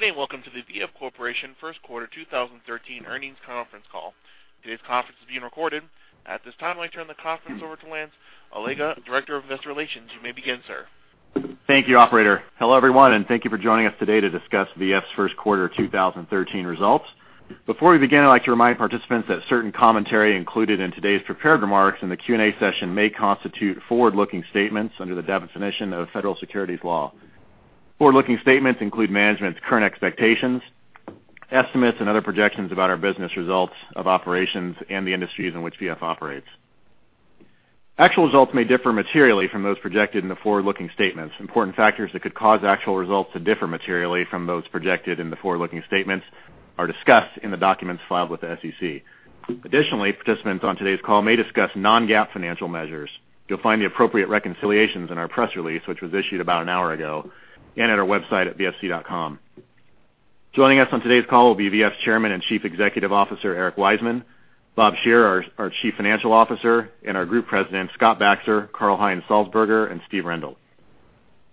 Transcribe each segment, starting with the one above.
Good day. Welcome to the V.F. Corporation first quarter 2013 earnings conference call. Today's conference is being recorded. At this time, I'd like to turn the conference over to Lance Allega, Director of Investor Relations. You may begin, sir. Thank you, operator. Hello, everyone, and thank you for joining us today to discuss VF's first quarter 2013 results. Before we begin, I'd like to remind participants that certain commentary included in today's prepared remarks and the Q&A session may constitute forward-looking statements under the definition of federal securities law. Forward-looking statements include management's current expectations, estimates, and other projections about our business results of operations and the industries in which VF operates. Actual results may differ materially from those projected in the forward-looking statements. Important factors that could cause actual results to differ materially from those projected in the forward-looking statements are discussed in the documents filed with the SEC. Additionally, participants on today's call may discuss non-GAAP financial measures. You'll find the appropriate reconciliations in our press release, which was issued about an hour ago, and at our website at vfc.com. Joining us on today's call will be VF's Chairman and Chief Executive Officer, Eric Wiseman; Bob Shearer, our Chief Financial Officer; and our Group Presidents, Scott Baxter, Karl-Heinz Salzburger, and Steve Rendle.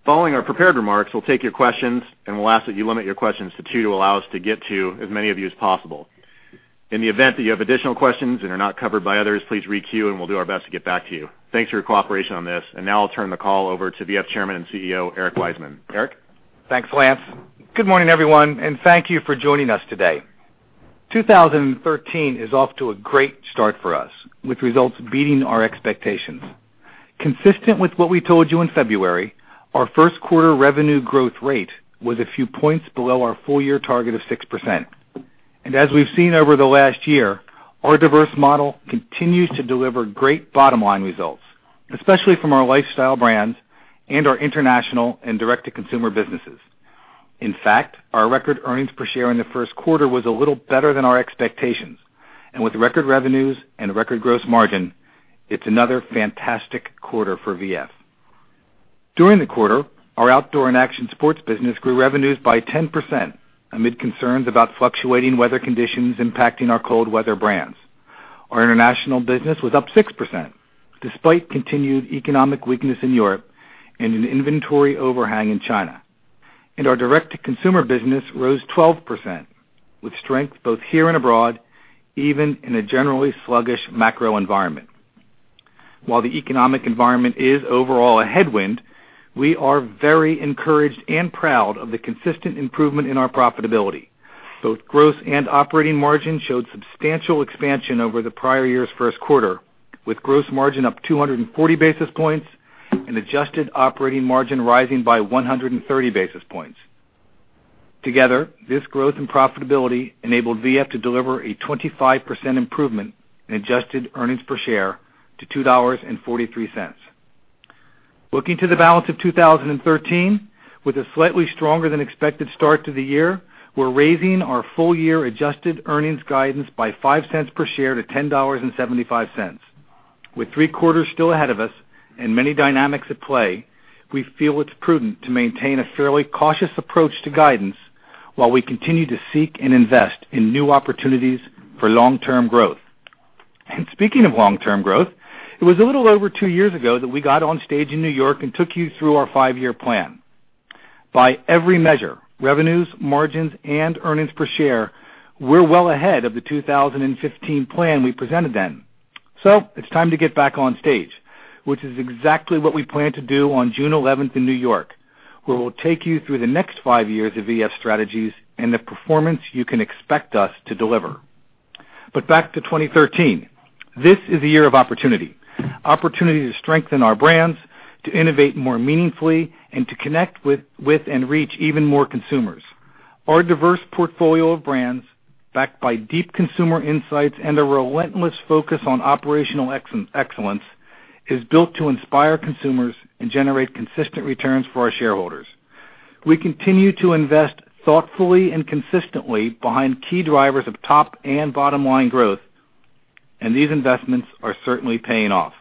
Following our prepared remarks, we'll take your questions. We'll ask that you limit your questions to two to allow us to get to as many of you as possible. In the event that you have additional questions and are not covered by others, please re-queue and we'll do our best to get back to you. Thanks for your cooperation on this. Now I'll turn the call over to VF's Chairman and CEO, Eric Wiseman. Eric? Thanks, Lance. Good morning, everyone. Thank you for joining us today. 2013 is off to a great start for us, with results beating our expectations. Consistent with what we told you in February, our first quarter revenue growth rate was a few points below our full-year target of 6%. As we've seen over the last year, our diverse model continues to deliver great bottom-line results, especially from our lifestyle brands and our international and direct-to-consumer businesses. In fact, our record earnings per share in the first quarter was a little better than our expectations. With record revenues and a record gross margin, it's another fantastic quarter for VF. During the quarter, our outdoor and action sports business grew revenues by 10% amid concerns about fluctuating weather conditions impacting our cold weather brands. Our international business was up 6%, despite continued economic weakness in Europe and an inventory overhang in China. Our direct-to-consumer business rose 12%, with strength both here and abroad, even in a generally sluggish macro environment. While the economic environment is overall a headwind, we are very encouraged and proud of the consistent improvement in our profitability. Both gross and operating margin showed substantial expansion over the prior year's first quarter, with gross margin up 240 basis points and adjusted operating margin rising by 130 basis points. Together, this growth in profitability enabled VF to deliver a 25% improvement in adjusted earnings per share to $2.43. Looking to the balance of 2013, with a slightly stronger than expected start to the year, we are raising our full-year adjusted earnings guidance by $0.05 per share to $10.75. With three quarters still ahead of us and many dynamics at play, we feel it's prudent to maintain a fairly cautious approach to guidance while we continue to seek and invest in new opportunities for long-term growth. Speaking of long-term growth, it was a little over two years ago that we got on stage in New York and took you through our five-year plan. By every measure, revenues, margins, and earnings per share, we are well ahead of the 2015 plan we presented then. It's time to get back on stage, which is exactly what we plan to do on June 11th in New York, where we will take you through the next five years of VF strategies and the performance you can expect us to deliver. Back to 2013. This is a year of opportunity. Opportunity to strengthen our brands, to innovate more meaningfully, and to connect with and reach even more consumers. Our diverse portfolio of brands, backed by deep consumer insights and a relentless focus on operational excellence, is built to inspire consumers and generate consistent returns for our shareholders. We continue to invest thoughtfully and consistently behind key drivers of top and bottom-line growth, these investments are certainly paying off.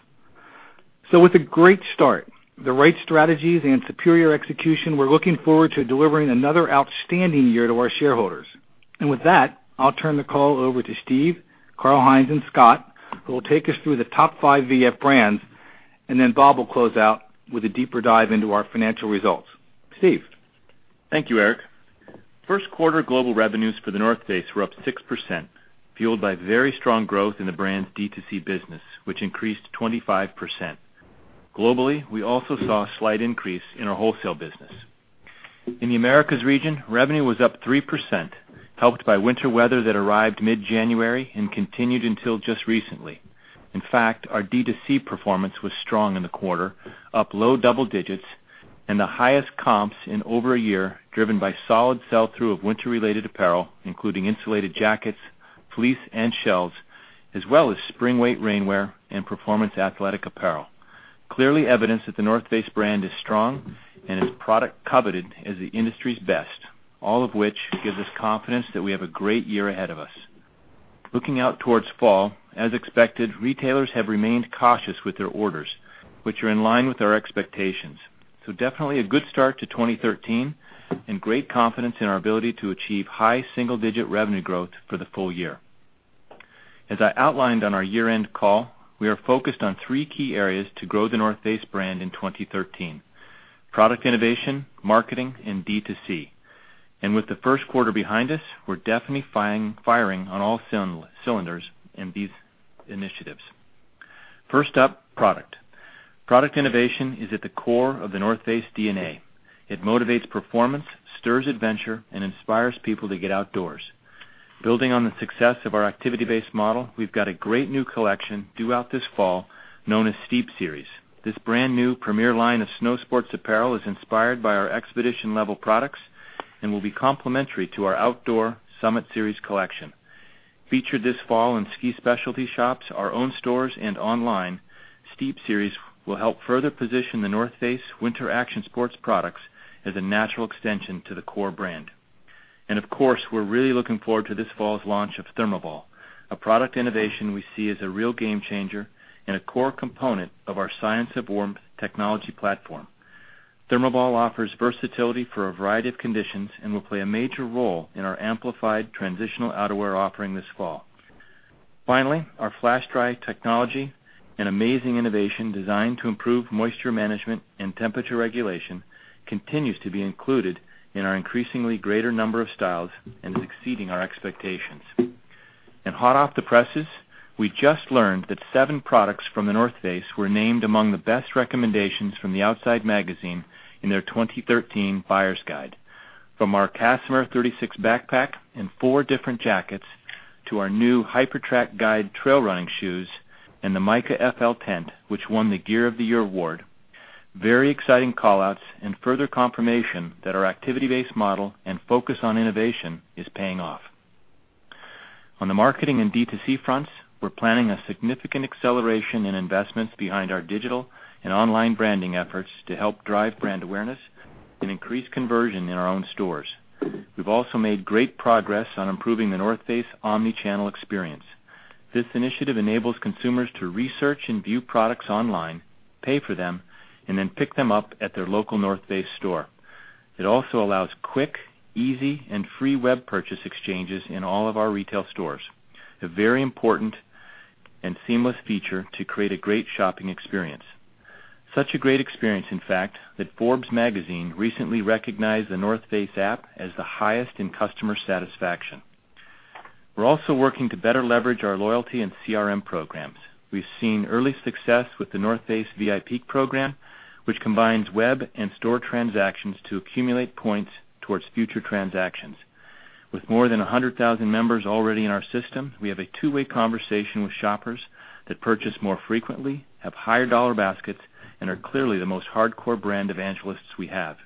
With a great start, the right strategies, and superior execution, we are looking forward to delivering another outstanding year to our shareholders. With that, I will turn the call over to Steve, Karl-Heinz, and Scott, who will take us through the top five VF brands, then Bob will close out with a deeper dive into our financial results. Steve? Thank you, Eric. First quarter global revenues for The North Face were up 6%, fueled by very strong growth in the brand's D2C business, which increased 25%. Globally, we also saw a slight increase in our wholesale business. In the Americas region, revenue was up 3%, helped by winter weather that arrived mid-January and continued until just recently. In fact, our D2C performance was strong in the quarter, up low double digits, and the highest comps in over a year, driven by solid sell-through of winter-related apparel, including insulated jackets, fleece, and shells, as well as spring-weight rainwear and performance athletic apparel. Clearly evidence that The North Face brand is strong and its product coveted as the industry's best, all of which gives us confidence that we have a great year ahead of us. Looking out towards fall, as expected, retailers have remained cautious with their orders, which are in line with our expectations. Definitely a good start to 2013, and great confidence in our ability to achieve high single-digit revenue growth for the full year. As I outlined on our year-end call, we are focused on three key areas to grow The North Face brand in 2013: product innovation, marketing, and D2C. With the first quarter behind us, we're definitely firing on all cylinders in these initiatives. First up, product. Product innovation is at the core of The North Face DNA. It motivates performance, stirs adventure, and inspires people to get outdoors. Building on the success of our activity-based model, we've got a great new collection due out this fall known as Steep Series. This brand-new premier line of snow sports apparel is inspired by our expedition-level products and will be complementary to our outdoor Summit Series collection. Featured this fall in ski specialty shops, our own stores, and online, Steep Series will help further position The North Face winter action sports products as a natural extension to the core brand. Of course, we're really looking forward to this fall's launch of ThermoBall, a product innovation we see as a real game changer and a core component of our Science of Warmth technology platform. ThermoBall offers versatility for a variety of conditions and will play a major role in our amplified transitional outerwear offering this fall. Finally, our FlashDry technology, an amazing innovation designed to improve moisture management and temperature regulation, continues to be included in our increasingly greater number of styles and is exceeding our expectations. Hot off the presses, we just learned that seven products from The North Face were named among the best recommendations from the Outside magazine in their 2013 buyer's guide. From our Casimir 36 backpack and four different jackets to our new Ultra Guide trail running shoes and the Mica FL tent, which won the Gear of the Year award, very exciting call-outs and further confirmation that our activity-based model and focus on innovation is paying off. On the marketing and D2C fronts, we're planning a significant acceleration in investments behind our digital and online branding efforts to help drive brand awareness and increase conversion in our own stores. We've also made great progress on improving The North Face omni-channel experience. This initiative enables consumers to research and view products online, pay for them, and then pick them up at their local North Face store. It also allows quick, easy, and free web purchase exchanges in all of our retail stores, a very important and seamless feature to create a great shopping experience. Such a great experience, in fact, that Forbes magazine recently recognized The North Face app as the highest in customer satisfaction. We're also working to better leverage our loyalty and CRM programs. We've seen early success with The North Face VIP program, which combines web and store transactions to accumulate points towards future transactions. With more than 100,000 members already in our system, we have a two-way conversation with shoppers that purchase more frequently, have higher dollar baskets, and are clearly the most hardcore brand evangelists we have.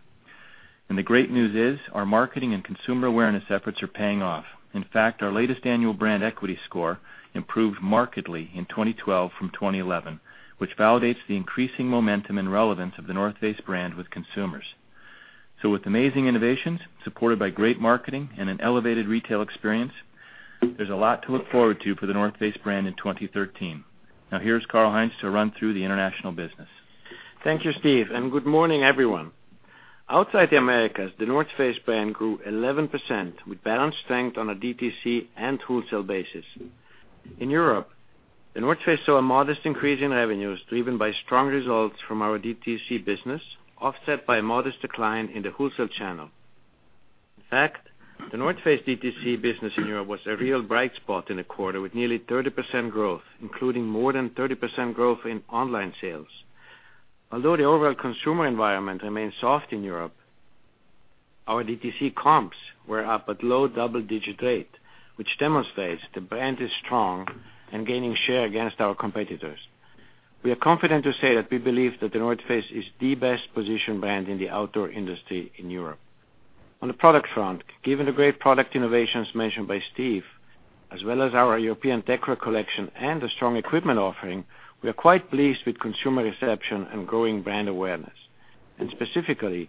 The great news is, our marketing and consumer awareness efforts are paying off. In fact, our latest annual brand equity score improved markedly in 2012 from 2011, which validates the increasing momentum and relevance of The North Face brand with consumers. With amazing innovations supported by great marketing and an elevated retail experience, there's a lot to look forward to for The North Face brand in 2013. Now here's Karl-Heinz to run through the international business. Thank you, Steve, and good morning, everyone. Outside the Americas, The North Face brand grew 11% with balanced strength on a DTC and wholesale basis. In Europe, The North Face saw a modest increase in revenues driven by strong results from our DTC business, offset by a modest decline in the wholesale channel. In fact, The North Face DTC business in Europe was a real bright spot in the quarter with nearly 30% growth, including more than 30% growth in online sales. Although the overall consumer environment remains soft in Europe, our DTC comps were up at low double-digit rate, which demonstrates the brand is strong and gaining share against our competitors. We are confident to say that we believe that The North Face is the best-positioned brand in the outdoor industry in Europe. On the product front, given the great product innovations mentioned by Steve, as well as our European Techwear collection and the strong equipment offering, we are quite pleased with consumer reception and growing brand awareness. Specifically,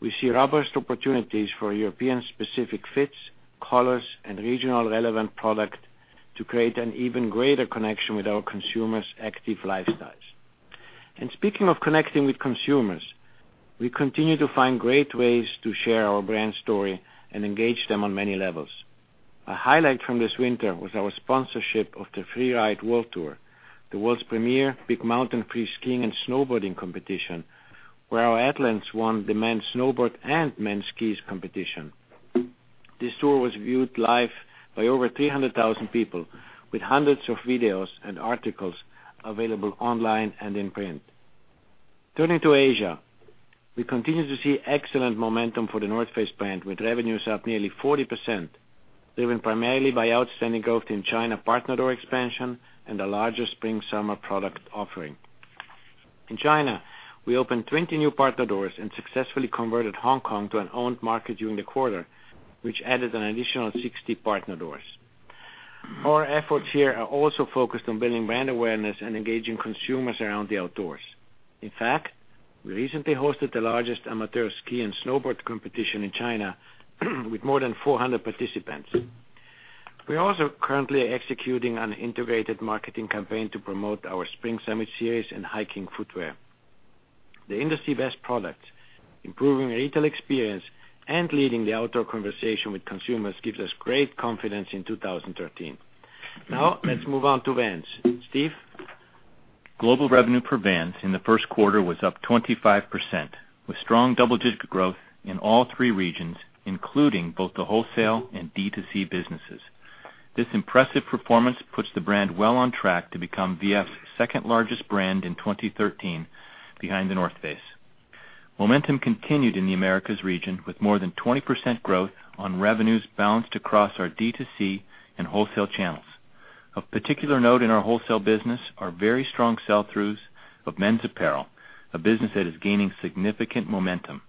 we see robust opportunities for European-specific fits, colors, and regional relevant product to create an even greater connection with our consumers' active lifestyles. Speaking of connecting with consumers, we continue to find great ways to share our brand story and engage them on many levels. A highlight from this winter was our sponsorship of the Freeride World Tour, the world's premier big mountain free skiing and snowboarding competition, where our athletes won the men's snowboard and men's skis competition. This tour was viewed live by over 300,000 people with hundreds of videos and articles available online and in print. Turning to Asia, we continue to see excellent momentum for The North Face brand with revenues up nearly 40%, driven primarily by outstanding growth in China partner door expansion and a larger spring/summer product offering. In China, we opened 20 new partner doors and successfully converted Hong Kong to an owned market during the quarter, which added an additional 60 partner doors. Our efforts here are also focused on building brand awareness and engaging consumers around the outdoors. In fact, we recently hosted the largest amateur ski and snowboard competition in China with more than 400 participants. We are also currently executing an integrated marketing campaign to promote our spring/summer series and hiking footwear. The industry-best product, improving retail experience, and leading the outdoor conversation with consumers gives us great confidence in 2013. Now, let's move on to Vans. Steve? Global revenue for Vans in the first quarter was up 25%, with strong double-digit growth in all three regions, including both the wholesale and D2C businesses. This impressive performance puts the brand well on track to become VF's second largest brand in 2013 behind The North Face. Momentum continued in the Americas region with more than 20% growth on revenues balanced across our D2C and wholesale channels. Of particular note in our wholesale business are very strong sell-throughs of men's apparel, a business that is gaining significant momentum.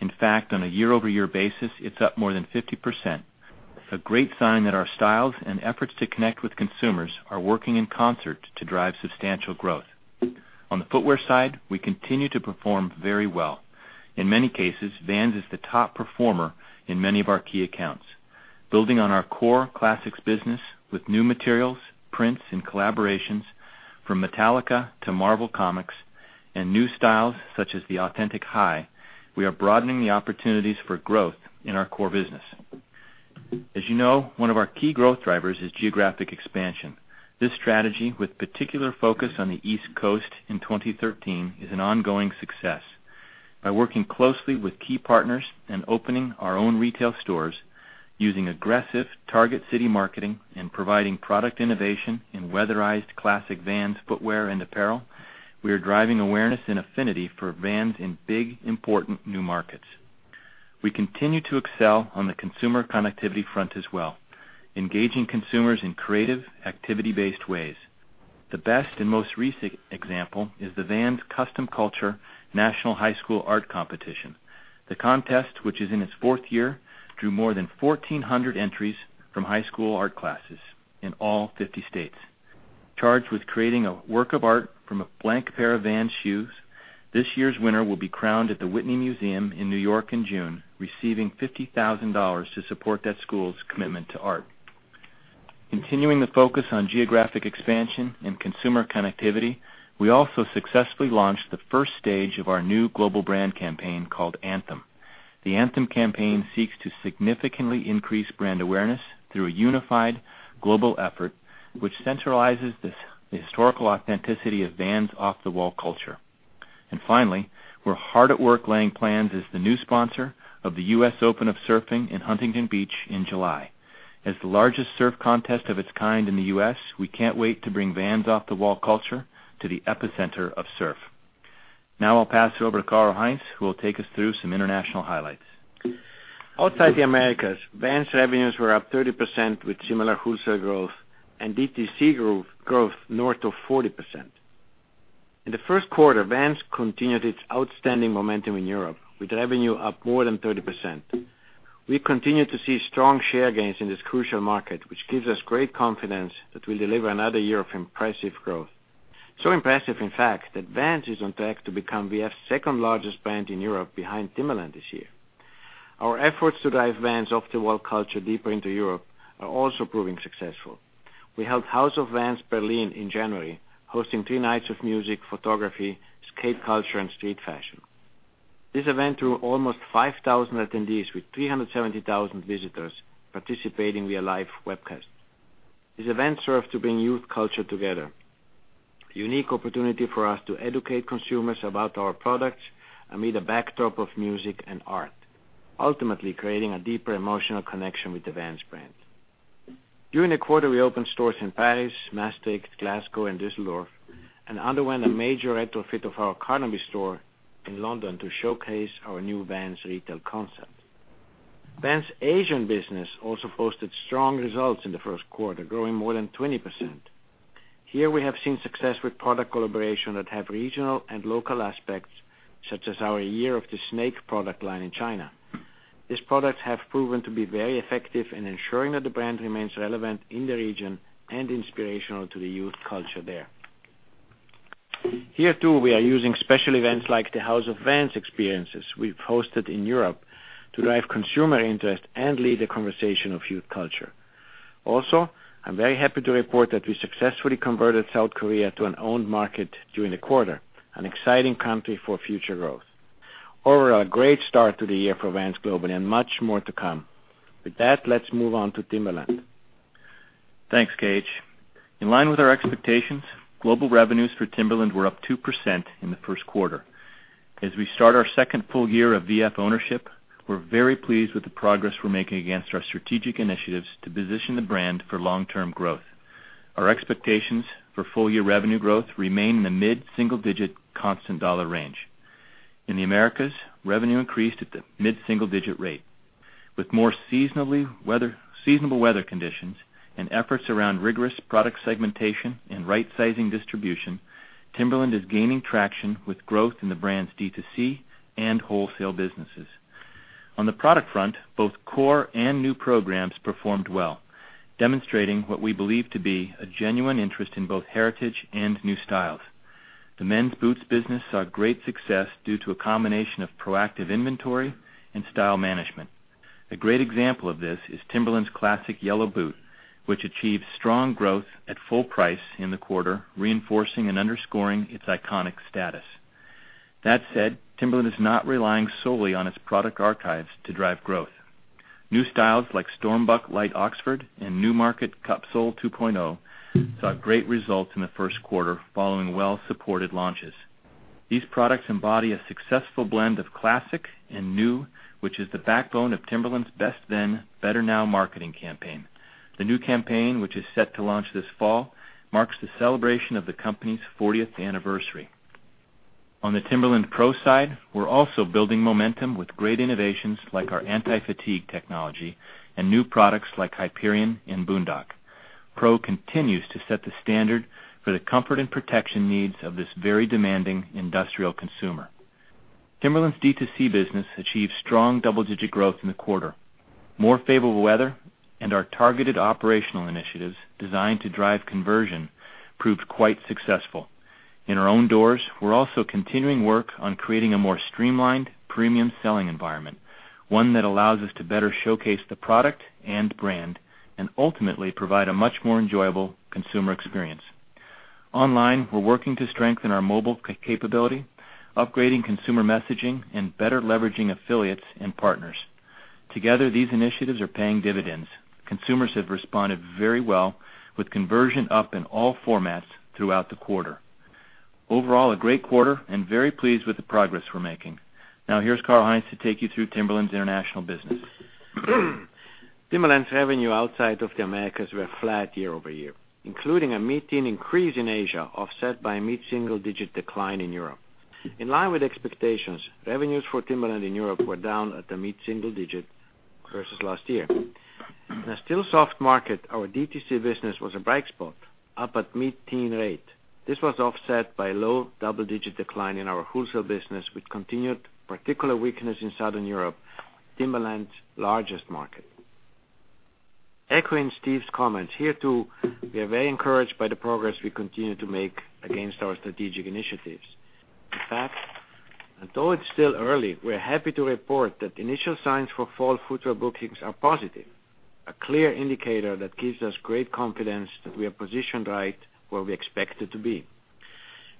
In fact, on a year-over-year basis, it's up more than 50%, a great sign that our styles and efforts to connect with consumers are working in concert to drive substantial growth. On the footwear side, we continue to perform very well. In many cases, Vans is the top performer in many of our key accounts. Building on our core classics business with new materials, prints, and collaborations from Metallica to Marvel Comics and new styles such as the Authentic Hi, we are broadening the opportunities for growth in our core business. As you know, one of our key growth drivers is geographic expansion. This strategy, with particular focus on the East Coast in 2013, is an ongoing success. By working closely with key partners and opening our own retail stores, using aggressive target city marketing, and providing product innovation in weatherized classic Vans footwear and apparel, we are driving awareness and affinity for Vans in big, important new markets. We continue to excel on the consumer connectivity front as well, engaging consumers in creative activity-based ways. The best and most recent example is the Vans Custom Culture National High School Art Competition. The contest, which is in its fourth year, drew more than 1,400 entries from high school art classes in all 50 states. Charged with creating a work of art from a blank pair of Vans shoes, this year's winner will be crowned at the Whitney Museum in New York in June, receiving $50,000 to support that school's commitment to art. Continuing the focus on geographic expansion and consumer connectivity, we also successfully launched the first stage of our new global brand campaign called Anthem. The Anthem campaign seeks to significantly increase brand awareness through a unified global effort which centralizes the historical authenticity of Vans' off-the-wall culture. Finally, we're hard at work laying plans as the new sponsor of the US Open of Surfing in Huntington Beach in July. As the largest surf contest of its kind in the U.S., we can't wait to bring Vans' off-the-wall culture to the epicenter of surf. Now I'll pass it over to Karl-Heinz, who will take us through some international highlights. Outside the Americas, Vans revenues were up 30% with similar wholesale growth and D2C growth north of 40%. In the first quarter, Vans continued its outstanding momentum in Europe, with revenue up more than 30%. We continue to see strong share gains in this crucial market, which gives us great confidence that we'll deliver another year of impressive growth. Impressive, in fact, that Vans is on track to become VF's second-largest brand in Europe behind Timberland this year. Our efforts to drive Vans' off-the-wall culture deeper into Europe are also proving successful. We held House of Vans Berlin in January, hosting three nights of music, photography, skate culture, and street fashion. This event drew almost 5,000 attendees with 370,000 visitors participating via live webcast. This event served to bring youth culture together, a unique opportunity for us to educate consumers about our products amid a backdrop of music and art, ultimately creating a deeper emotional connection with the Vans brand. During the quarter, we opened stores in Paris, Maastricht, Glasgow, and Düsseldorf and underwent a major retrofit of our Carnaby store in London to showcase our new Vans retail concept. Vans Asian business also posted strong results in the first quarter, growing more than 20%. Here, we have seen success with product collaboration that have regional and local aspects, such as our Year of the Snake product line in China. These products have proven to be very effective in ensuring that the brand remains relevant in the region and inspirational to the youth culture there. Here, too, we are using special events like the House of Vans experiences we've hosted in Europe to drive consumer interest and lead the conversation of youth culture. I'm very happy to report that we successfully converted South Korea to an owned market during the quarter, an exciting country for future growth. Overall, a great start to the year for Vans global and much more to come. With that, let's move on to Timberland. Thanks, KG. In line with our expectations, global revenues for Timberland were up 2% in the first quarter. As we start our second full year of VF ownership, we're very pleased with the progress we're making against our strategic initiatives to position the brand for long-term growth. Our expectations for full-year revenue growth remain in the mid-single digit constant dollar range. In the Americas, revenue increased at the mid-single digit rate. With more seasonable weather conditions and efforts around rigorous product segmentation and right-sizing distribution, Timberland is gaining traction with growth in the brand's D2C and wholesale businesses. On the product front, both core and new programs performed well, demonstrating what we believe to be a genuine interest in both heritage and new styles. The men's boots business saw great success due to a combination of proactive inventory and style management. A great example of this is Timberland's classic yellow boot, which achieved strong growth at full price in the quarter, reinforcing and underscoring its iconic status. That said, Timberland is not relying solely on its product archives to drive growth. New styles like Stormbuck Light Oxford and Newmarket Cupsole 2.0 saw great results in the first quarter following well-supported launches. These products embody a successful blend of classic and new, which is the backbone of Timberland's Best Then, Better Now marketing campaign. The new campaign, which is set to launch this fall, marks the celebration of the company's 40th anniversary. On the Timberland PRO side, we're also building momentum with great innovations like our anti-fatigue technology and new products like Hyperion and Boondock. PRO continues to set the standard for the comfort and protection needs of this very demanding industrial consumer. Timberland's D2C business achieved strong double-digit growth in the quarter. More favorable weather and our targeted operational initiatives designed to drive conversion proved quite successful. In our own doors, we're also continuing work on creating a more streamlined premium selling environment, one that allows us to better showcase the product and brand, and ultimately provide a much more enjoyable consumer experience. Online, we're working to strengthen our mobile capability, upgrading consumer messaging, and better leveraging affiliates and partners. Together, these initiatives are paying dividends. Consumers have responded very well, with conversion up in all formats throughout the quarter. Overall, a great quarter and very pleased with the progress we're making. Now, here's Karl-Heinz to take you through Timberland's international business. Timberland's revenue outside of the Americas were flat year-over-year, including a mid-teen increase in Asia, offset by a mid-single-digit decline in Europe. In line with expectations, revenues for Timberland in Europe were down at a mid-single-digit versus last year. In a still soft market, our DTC business was a bright spot, up at mid-teen rate. This was offset by low double-digit decline in our wholesale business, with continued particular weakness in Southern Europe, Timberland's largest market. Echoing Steve's comments, here, too, we are very encouraged by the progress we continue to make against our strategic initiatives. In fact, although it's still early, we're happy to report that initial signs for fall footwear bookings are positive, a clear indicator that gives us great confidence that we are positioned right where we expected to be.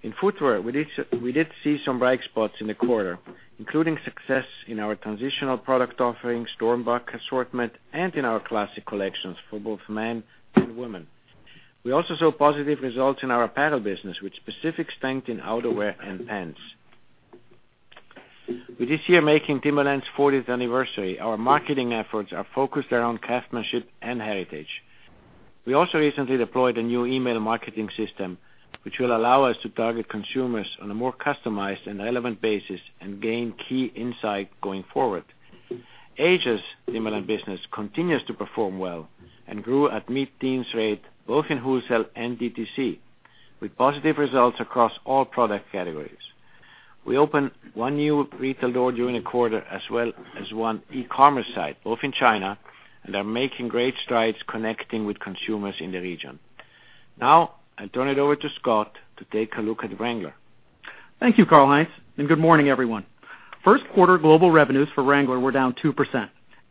In footwear, we did see some bright spots in the quarter, including success in our transitional product offering, Stormbuck assortment, and in our classic collections for both men and women. We also saw positive results in our apparel business, with specific strength in outerwear and pants. With this year making Timberland's 40th anniversary, our marketing efforts are focused around craftsmanship and heritage. We also recently deployed a new email marketing system, which will allow us to target consumers on a more customized and relevant basis and gain key insight going forward. Asia's Timberland business continues to perform well and grew at mid-teens rate both in wholesale and DTC, with positive results across all product categories. We opened one new retail door during the quarter as well as one e-commerce site, both in China, and are making great strides connecting with consumers in the region. I'll turn it over to Scott to take a look at Wrangler. Thank you, Karl-Heinz. Good morning, everyone. First quarter global revenues for Wrangler were down 2%.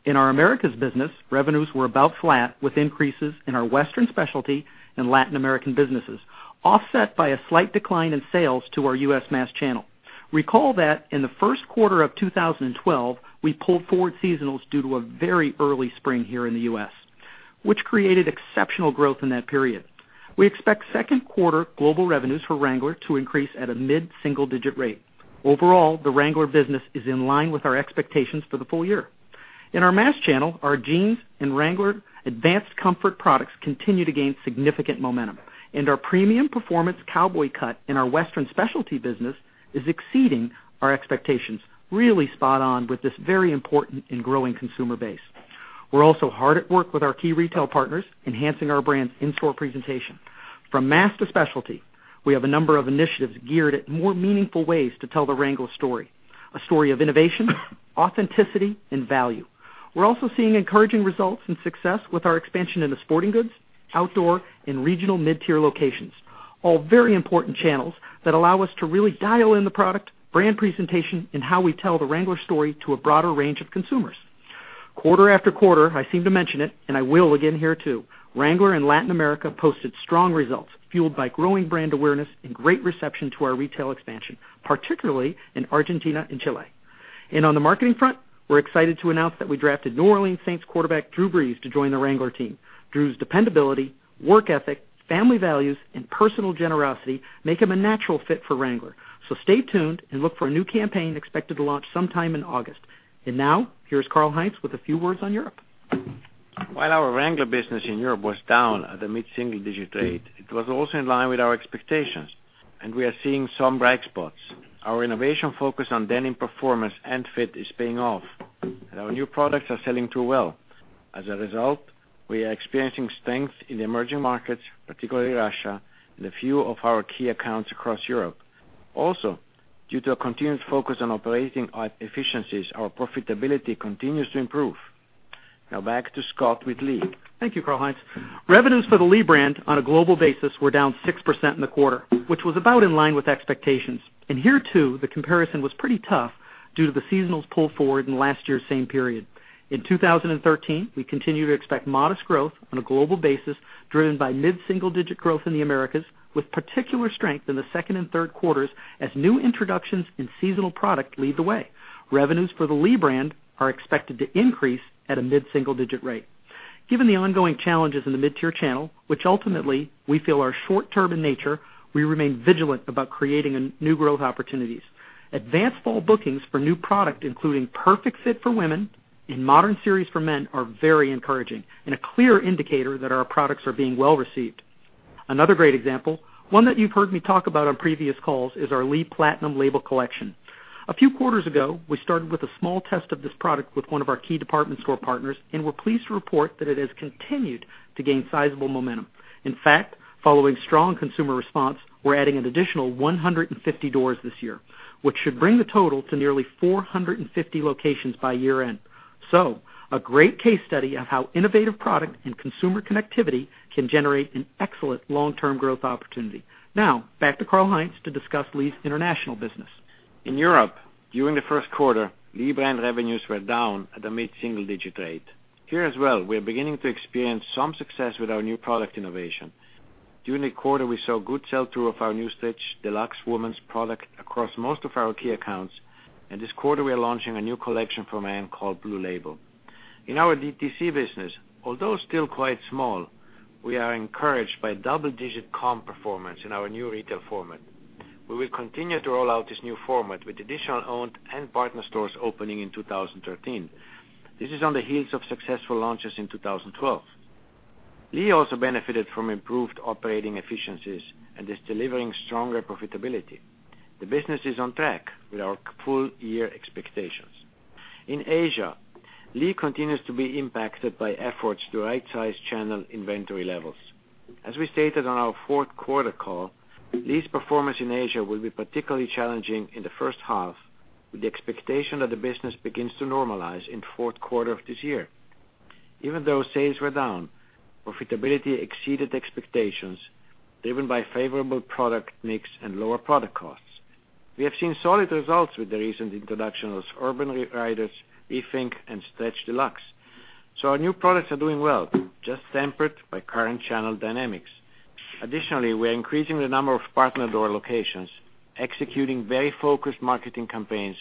In our Americas business, revenues were about flat, with increases in our Western specialty and Latin American businesses, offset by a slight decline in sales to our U.S. mass channel. Recall that in the first quarter of 2012, we pulled forward seasonals due to a very early spring here in the U.S., which created exceptional growth in that period. We expect second quarter global revenues for Wrangler to increase at a mid-single digit rate. Overall, the Wrangler business is in line with our expectations for the full year. In our mass channel, our jeans and Wrangler Advanced Comfort products continue to gain significant momentum, and our Premium Performance Cowboy Cut in our Western specialty business is exceeding our expectations. Really spot on with this very important and growing consumer base. We're also hard at work with our key retail partners, enhancing our brand's in-store presentation. From mass to specialty, we have a number of initiatives geared at more meaningful ways to tell the Wrangler story, a story of innovation, authenticity, and value. We're also seeing encouraging results and success with our expansion in the sporting goods, outdoor, and regional mid-tier locations. All very important channels that allow us to really dial in the product, brand presentation, and how we tell the Wrangler story to a broader range of consumers. Quarter after quarter, I seem to mention it, and I will again here too, Wrangler in Latin America posted strong results, fueled by growing brand awareness and great reception to our retail expansion, particularly in Argentina and Chile. On the marketing front, we're excited to announce that we drafted New Orleans Saints quarterback Drew Brees to join the Wrangler team. Drew's dependability, work ethic, family values, and personal generosity make him a natural fit for Wrangler. Stay tuned and look for a new campaign expected to launch sometime in August. Now, here's Karl-Heinz with a few words on Europe. While our Wrangler business in Europe was down at a mid-single-digit rate, it was also in line with our expectations. We are seeing some bright spots. Our innovation focus on denim performance and fit is paying off. Our new products are selling too well. As a result, we are experiencing strength in the emerging markets, particularly Russia, and a few of our key accounts across Europe. Due to a continued focus on operating efficiencies, our profitability continues to improve. Now back to Scott with Lee. Thank you, Karl-Heinz. Revenues for the Lee brand on a global basis were down 6% in the quarter, which was about in line with expectations. Here too, the comparison was pretty tough due to the seasonals pulled forward in last year's same period. In 2013, we continue to expect modest growth on a global basis, driven by mid-single-digit growth in the Americas, with particular strength in the second and third quarters as new introductions in seasonal product lead the way. Revenues for the Lee brand are expected to increase at a mid-single-digit rate. Given the ongoing challenges in the mid-tier channel, which ultimately we feel are short-term in nature, we remain vigilant about creating new growth opportunities. Advanced fall bookings for new product, including Perfect Fit for women and Modern Series for men, are very encouraging and a clear indicator that our products are being well-received. Another great example, one that you've heard me talk about on previous calls, is our Lee Platinum Label collection. A few quarters ago, we started with a small test of this product with one of our key department store partners. We're pleased to report that it has continued to gain sizable momentum. In fact, following strong consumer response, we're adding an additional 150 doors this year, which should bring the total to nearly 450 locations by year-end. A great case study of how innovative product and consumer connectivity can generate an excellent long-term growth opportunity. Now back to Karl-Heinz to discuss Lee's international business. In Europe, during the first quarter, Lee brand revenues were down at a mid-single-digit rate. Here as well, we are beginning to experience some success with our new product innovation. During the quarter, we saw good sell-through of our new Stretch Deluxe women's product across most of our key accounts. This quarter, we are launching a new collection for men called Blue Label. In our DTC business, although still quite small, we are encouraged by double-digit comp performance in our new retail format. We will continue to roll out this new format with additional owned and partner stores opening in 2013. This is on the heels of successful launches in 2012. Lee also benefited from improved operating efficiencies and is delivering stronger profitability. The business is on track with our full-year expectations. In Asia, Lee continues to be impacted by efforts to rightsize channel inventory levels. As we stated on our fourth quarter call, Lee's performance in Asia will be particularly challenging in the first half, with the expectation that the business begins to normalize in fourth quarter of this year. Even though sales were down, profitability exceeded expectations, driven by favorable product mix and lower product costs. We have seen solid results with the recent introductions Urban Riders, V Think, and Stretch Deluxe. Our new products are doing well, just tempered by current channel dynamics. Additionally, we are increasing the number of partner door locations, executing very focused marketing campaigns,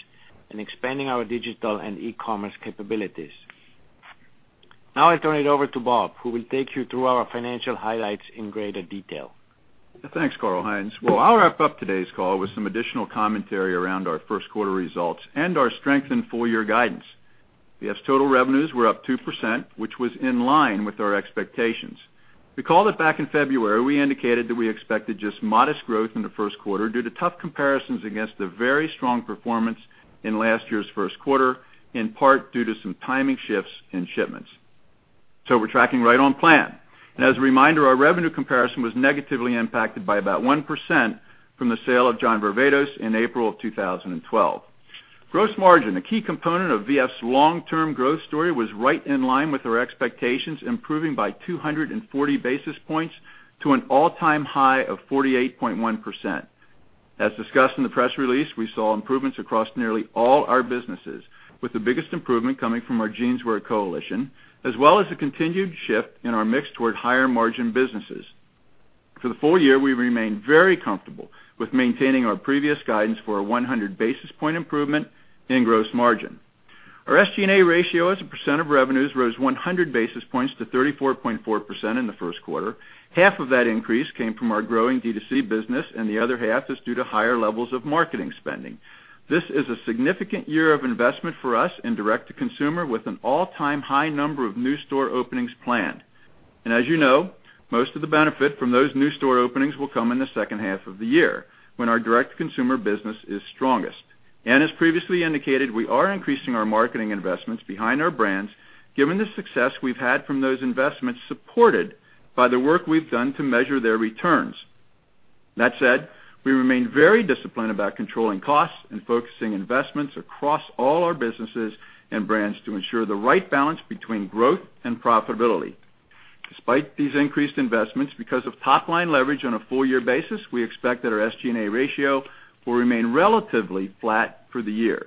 and expanding our digital and e-commerce capabilities. Now I'll turn it over to Bob, who will take you through our financial highlights in greater detail. Thanks, Karl-Heinz. I'll wrap up today's call with some additional commentary around our first quarter results and our strengthened full-year guidance. VF's total revenues were up 2%, which was in line with our expectations. We called it back in February, we indicated that we expected just modest growth in the first quarter due to tough comparisons against the very strong performance in last year's first quarter, in part due to some timing shifts in shipments. We're tracking right on plan. As a reminder, our revenue comparison was negatively impacted by about 1% from the sale of John Varvatos in April of 2012. Gross margin, a key component of VF's long-term growth story, was right in line with our expectations, improving by 240 basis points to an all-time high of 48.1%. As discussed in the press release, we saw improvements across nearly all our businesses, with the biggest improvement coming from our Jeanswear Coalition, as well as a continued shift in our mix toward higher-margin businesses. For the full year, we remain very comfortable with maintaining our previous guidance for a 100 basis point improvement in gross margin. Our SG&A ratio as a percent of revenues rose 100 basis points to 34.4% in the first quarter. Half of that increase came from our growing D2C business, and the other half is due to higher levels of marketing spending. This is a significant year of investment for us in direct-to-consumer, with an all-time high number of new store openings planned. As you know, most of the benefit from those new store openings will come in the second half of the year, when our direct-to-consumer business is strongest. As previously indicated, we are increasing our marketing investments behind our brands given the success we've had from those investments, supported by the work we've done to measure their returns. That said, we remain very disciplined about controlling costs and focusing investments across all our businesses and brands to ensure the right balance between growth and profitability. Despite these increased investments, because of top-line leverage on a full-year basis, we expect that our SG&A ratio will remain relatively flat for the year.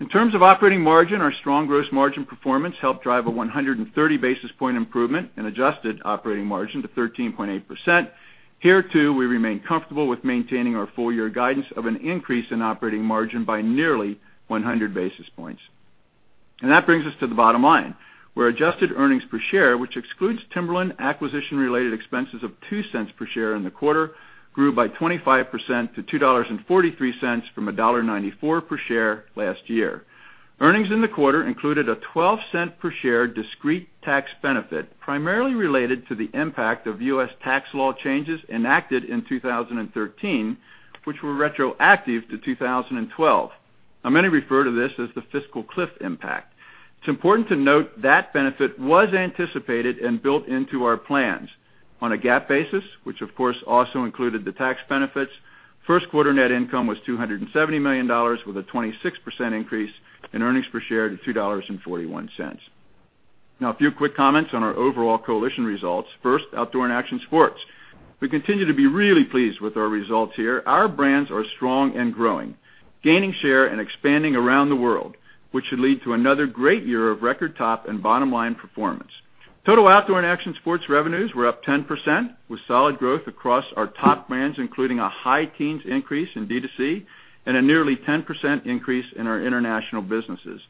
In terms of operating margin, our strong gross margin performance helped drive a 130 basis point improvement in adjusted operating margin to 13.8%. Here, too, we remain comfortable with maintaining our full-year guidance of an increase in operating margin by nearly 100 basis points. That brings us to the bottom line, where adjusted earnings per share, which excludes Timberland acquisition-related expenses of $0.02 per share in the quarter, grew by 25% to $2.43 from $1.94 per share last year. Earnings in the quarter included a $0.12 per share discrete tax benefit, primarily related to the impact of U.S. tax law changes enacted in 2013, which were retroactive to 2012. Many refer to this as the fiscal cliff impact. It's important to note that benefit was anticipated and built into our plans. On a GAAP basis, which of course also included the tax benefits, first quarter net income was $270 million with a 26% increase in earnings per share to $2.41. A few quick comments on our overall coalition results. First, outdoor and action sports. We continue to be really pleased with our results here. Our brands are strong and growing, gaining share and expanding around the world, which should lead to another great year of record top and bottom line performance. Total outdoor and action sports revenues were up 10%, with solid growth across our top brands, including a high teens increase in D2C and a nearly 10% increase in our international businesses.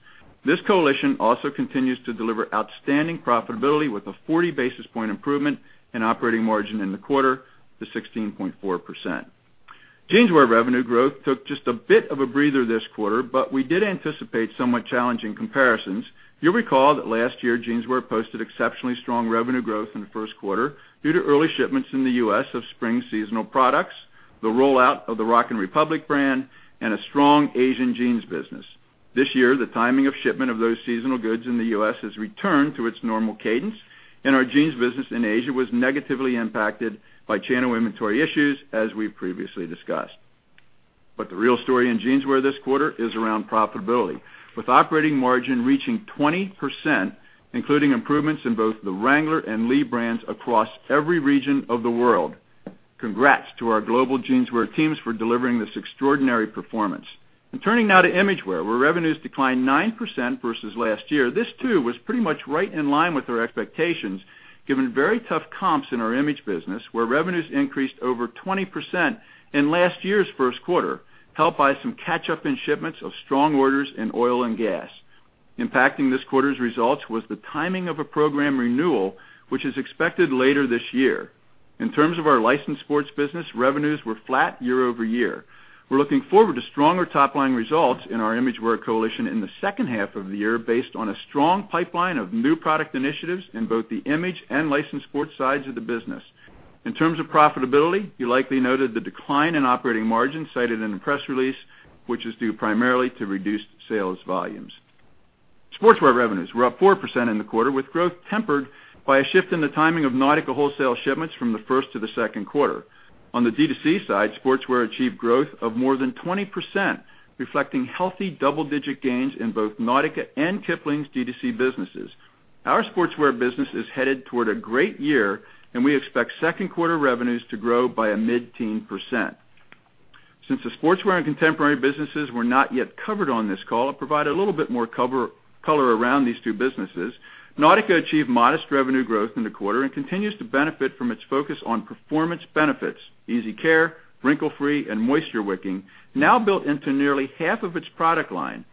This coalition also continues to deliver outstanding profitability with a 40 basis point improvement in operating margin in the quarter to 16.4%. Jeanswear revenue growth took just a bit of a breather this quarter, we did anticipate somewhat challenging comparisons. You'll recall that last year, Jeanswear posted exceptionally strong revenue growth in the first quarter due to early shipments in the U.S. of spring seasonal products, the rollout of the Rock & Republic brand, and a strong Asian jeans business. This year, the timing of shipment of those seasonal goods in the U.S. has returned to its normal cadence, our jeans business in Asia was negatively impacted by channel inventory issues, as we previously discussed. The real story in Jeanswear this quarter is around profitability, with operating margin reaching 20%, including improvements in both the Wrangler and Lee brands across every region of the world. Congrats to our global Jeanswear teams for delivering this extraordinary performance. Turning now to VF Imagewear, where revenues declined 9% versus last year. This too was pretty much right in line with our expectations, given very tough comps in our image business where revenues increased over 20% in last year's first quarter, helped by some catch-up in shipments of strong orders in oil and gas. Impacting this quarter's results was the timing of a program renewal, which is expected later this year. In terms of our licensed sports business, revenues were flat year-over-year. We're looking forward to stronger top-line results in our VF Imagewear coalition in the second half of the year based on a strong pipeline of new product initiatives in both the image and licensed sports sides of the business. In terms of profitability, you likely noted the decline in operating margin cited in the press release, which is due primarily to reduced sales volumes. Sportswear revenues were up 4% in the quarter, with growth tempered by a shift in the timing of Nautica wholesale shipments from the first to the second quarter. On the D2C side, Sportswear achieved growth of more than 20%, reflecting healthy double-digit gains in both Nautica and Kipling's D2C businesses. Our sportswear business is headed toward a great year, we expect second quarter revenues to grow by a mid-teen %. Since the sportswear and contemporary businesses were not yet covered on this call, I'll provide a little bit more color around these two businesses. Nautica achieved modest revenue growth in the quarter and continues to benefit from its focus on performance benefits, easy care, wrinkle-free, and moisture-wicking, now built into nearly half of its product line.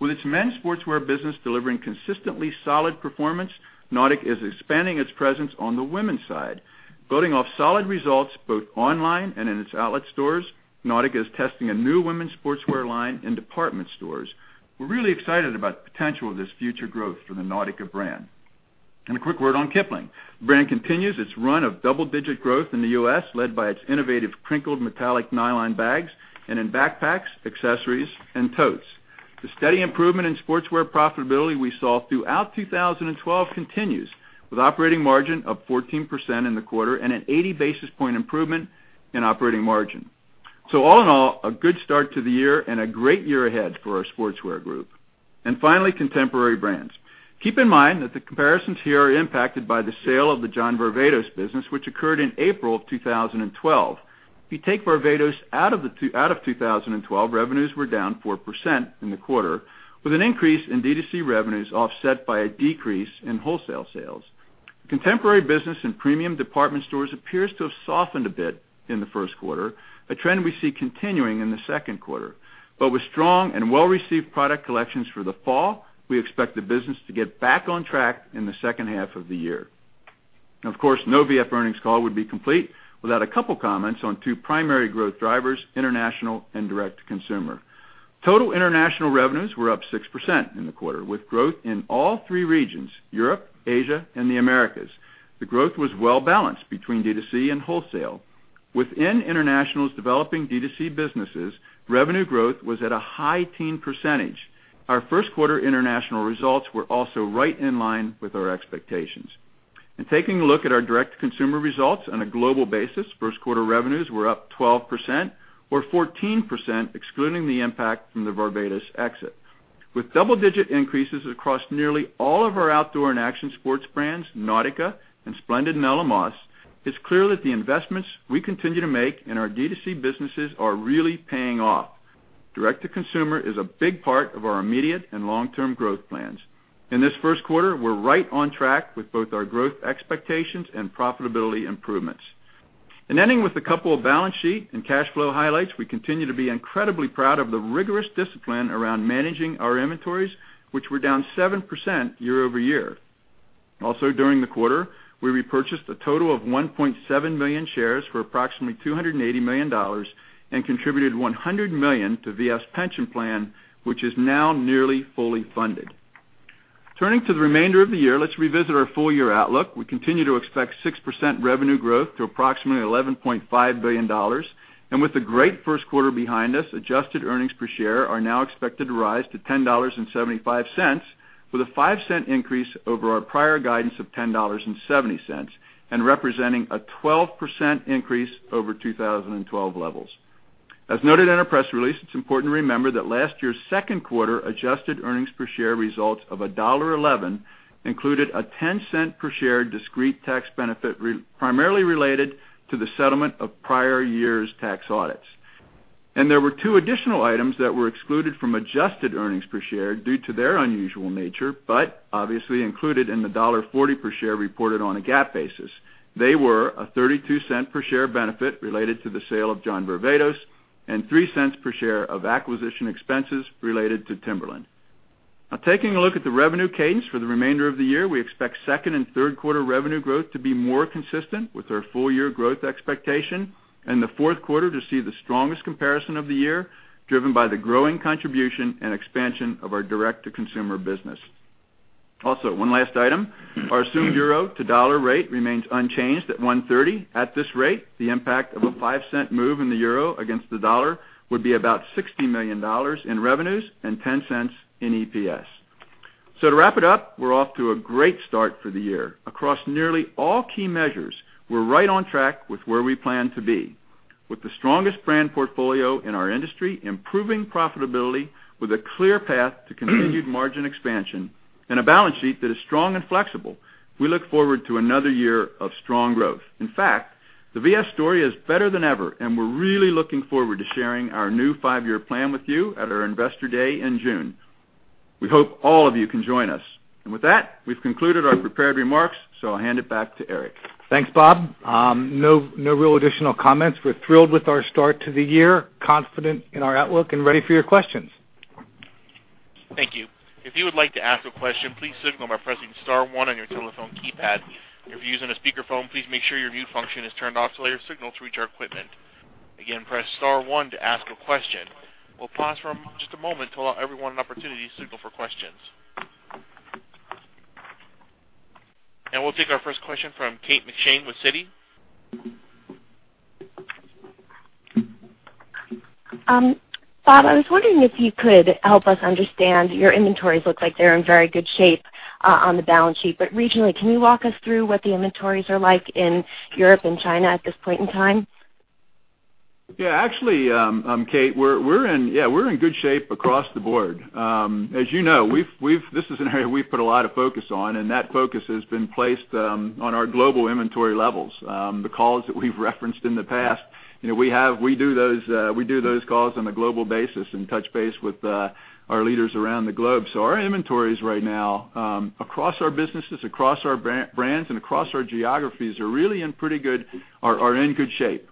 With its men's sportswear business delivering consistently solid performance, Nautica is expanding its presence on the women's side. Building off solid results both online and in its outlet stores, Nautica is testing a new women's sportswear line in department stores. We're really excited about the potential of this future growth for the Nautica brand. A quick word on Kipling. The brand continues its run of double-digit growth in the U.S., led by its innovative crinkled metallic nylon bags, and in backpacks, accessories, and totes. The steady improvement in sportswear profitability we saw throughout 2012 continues, with operating margin of 14% in the quarter and an 80 basis point improvement in operating margin. All in all, a good start to the year and a great year ahead for our sportswear group. Finally, contemporary brands. Keep in mind that the comparisons here are impacted by the sale of the John Varvatos business, which occurred in April of 2012. If you take Varvatos out of 2012, revenues were down 4% in the quarter, with an increase in D2C revenues offset by a decrease in wholesale sales. Contemporary business in premium department stores appears to have softened a bit in the first quarter, a trend we see continuing in the second quarter. With strong and well-received product collections for the fall, we expect the business to get back on track in the second half of the year. Now of course, no V.F. earnings call would be complete without a couple comments on two primary growth drivers, international and direct-to-consumer. Total international revenues were up 6% in the quarter, with growth in all three regions, Europe, Asia, and the Americas. The growth was well-balanced between D2C and wholesale. Within international's developing D2C businesses, revenue growth was at a high teen percentage. Our first quarter international results were also right in line with our expectations. Taking a look at our direct-to-consumer results on a global basis, first quarter revenues were up 12%, or 14% excluding the impact from the Varvatos exit. With double-digit increases across nearly all of our outdoor and action sports brands, Nautica and Splendid/Ella Moss, it's clear that the investments we continue to make in our D2C businesses are really paying off. Direct-to-consumer is a big part of our immediate and long-term growth plans. In this first quarter, we're right on track with both our growth expectations and profitability improvements. Ending with a couple of balance sheet and cash flow highlights, we continue to be incredibly proud of the rigorous discipline around managing our inventories, which were down 7% year-over-year. Also during the quarter, we repurchased a total of 1.7 million shares for approximately $280 million and contributed $100 million to V.F.'s pension plan, which is now nearly fully funded. Turning to the remainder of the year, let's revisit our full-year outlook. We continue to expect 6% revenue growth to approximately $11.5 billion. With a great first quarter behind us, adjusted earnings per share are now expected to rise to $10.75, with a $0.05 increase over our prior guidance of $10.70, and representing a 12% increase over 2012 levels. As noted in our press release, it's important to remember that last year's second quarter adjusted earnings per share results of $1.11 included a $0.10 per share discrete tax benefit primarily related to the settlement of prior years' tax audits. There were two additional items that were excluded from adjusted earnings per share due to their unusual nature, but obviously included in the $1.40 per share reported on a GAAP basis. They were a $0.32 per share benefit related to the sale of John Varvatos and $0.03 per share of acquisition expenses related to Timberland. Taking a look at the revenue cadence for the remainder of the year. We expect second and third quarter revenue growth to be more consistent with our full year growth expectation, and the fourth quarter to see the strongest comparison of the year, driven by the growing contribution and expansion of our direct-to-consumer business. One last item. Our assumed euro to dollar rate remains unchanged at 130. At this rate, the impact of a $0.05 move in the euro against the dollar would be about $60 million in revenues and $0.10 in EPS. To wrap it up, we're off to a great start for the year. Across nearly all key measures, we're right on track with where we plan to be. With the strongest brand portfolio in our industry, improving profitability with a clear path to continued margin expansion, and a balance sheet that is strong and flexible, we look forward to another year of strong growth. In fact, the VF story is better than ever, and we're really looking forward to sharing our new five-year plan with you at our Investor Day in June. We hope all of you can join us. With that, we've concluded our prepared remarks, so I'll hand it back to Eric. Thanks, Bob. No real additional comments. We're thrilled with our start to the year, confident in our outlook, and ready for your questions. Thank you. If you would like to ask a question, please signal by pressing *1 on your telephone keypad. If you're using a speakerphone, please make sure your mute function is turned off so that your signal to reach our equipment. Again, press *1 to ask a question. We'll pause for just a moment to allow everyone an opportunity to signal for questions. We'll take our first question from Kate McShane with Citi. Bob, I was wondering if you could help us understand, your inventories look like they're in very good shape on the balance sheet. Regionally, can you walk us through what the inventories are like in Europe and China at this point in time? Yeah. Actually, Kate, we're in good shape across the board. As you know, this is an area we've put a lot of focus on, and that focus has been placed on our global inventory levels. The calls that we've referenced in the past, we do those calls on a global basis and touch base with our leaders around the globe. Our inventories right now, across our businesses, across our brands, and across our geographies, are really in good shape.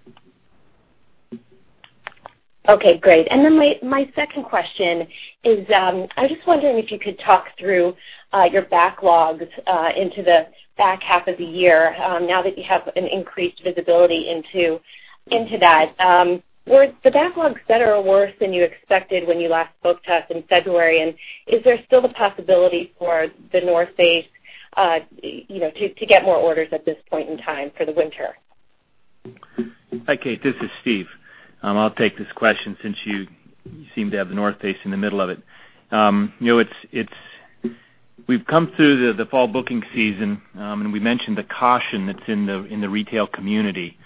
Okay, great. My second question is, I was just wondering if you could talk through your backlogs into the back half of the year now that you have an increased visibility into that. Were the backlogs better or worse than you expected when you last spoke to us in February? Is there still the possibility for The North Face to get more orders at this point in time for the winter? Hi, Kate. This is Steve. I'll take this question since you seem to have The North Face in the middle of it. We've come through the fall booking season. We mentioned the caution that's in the retail community.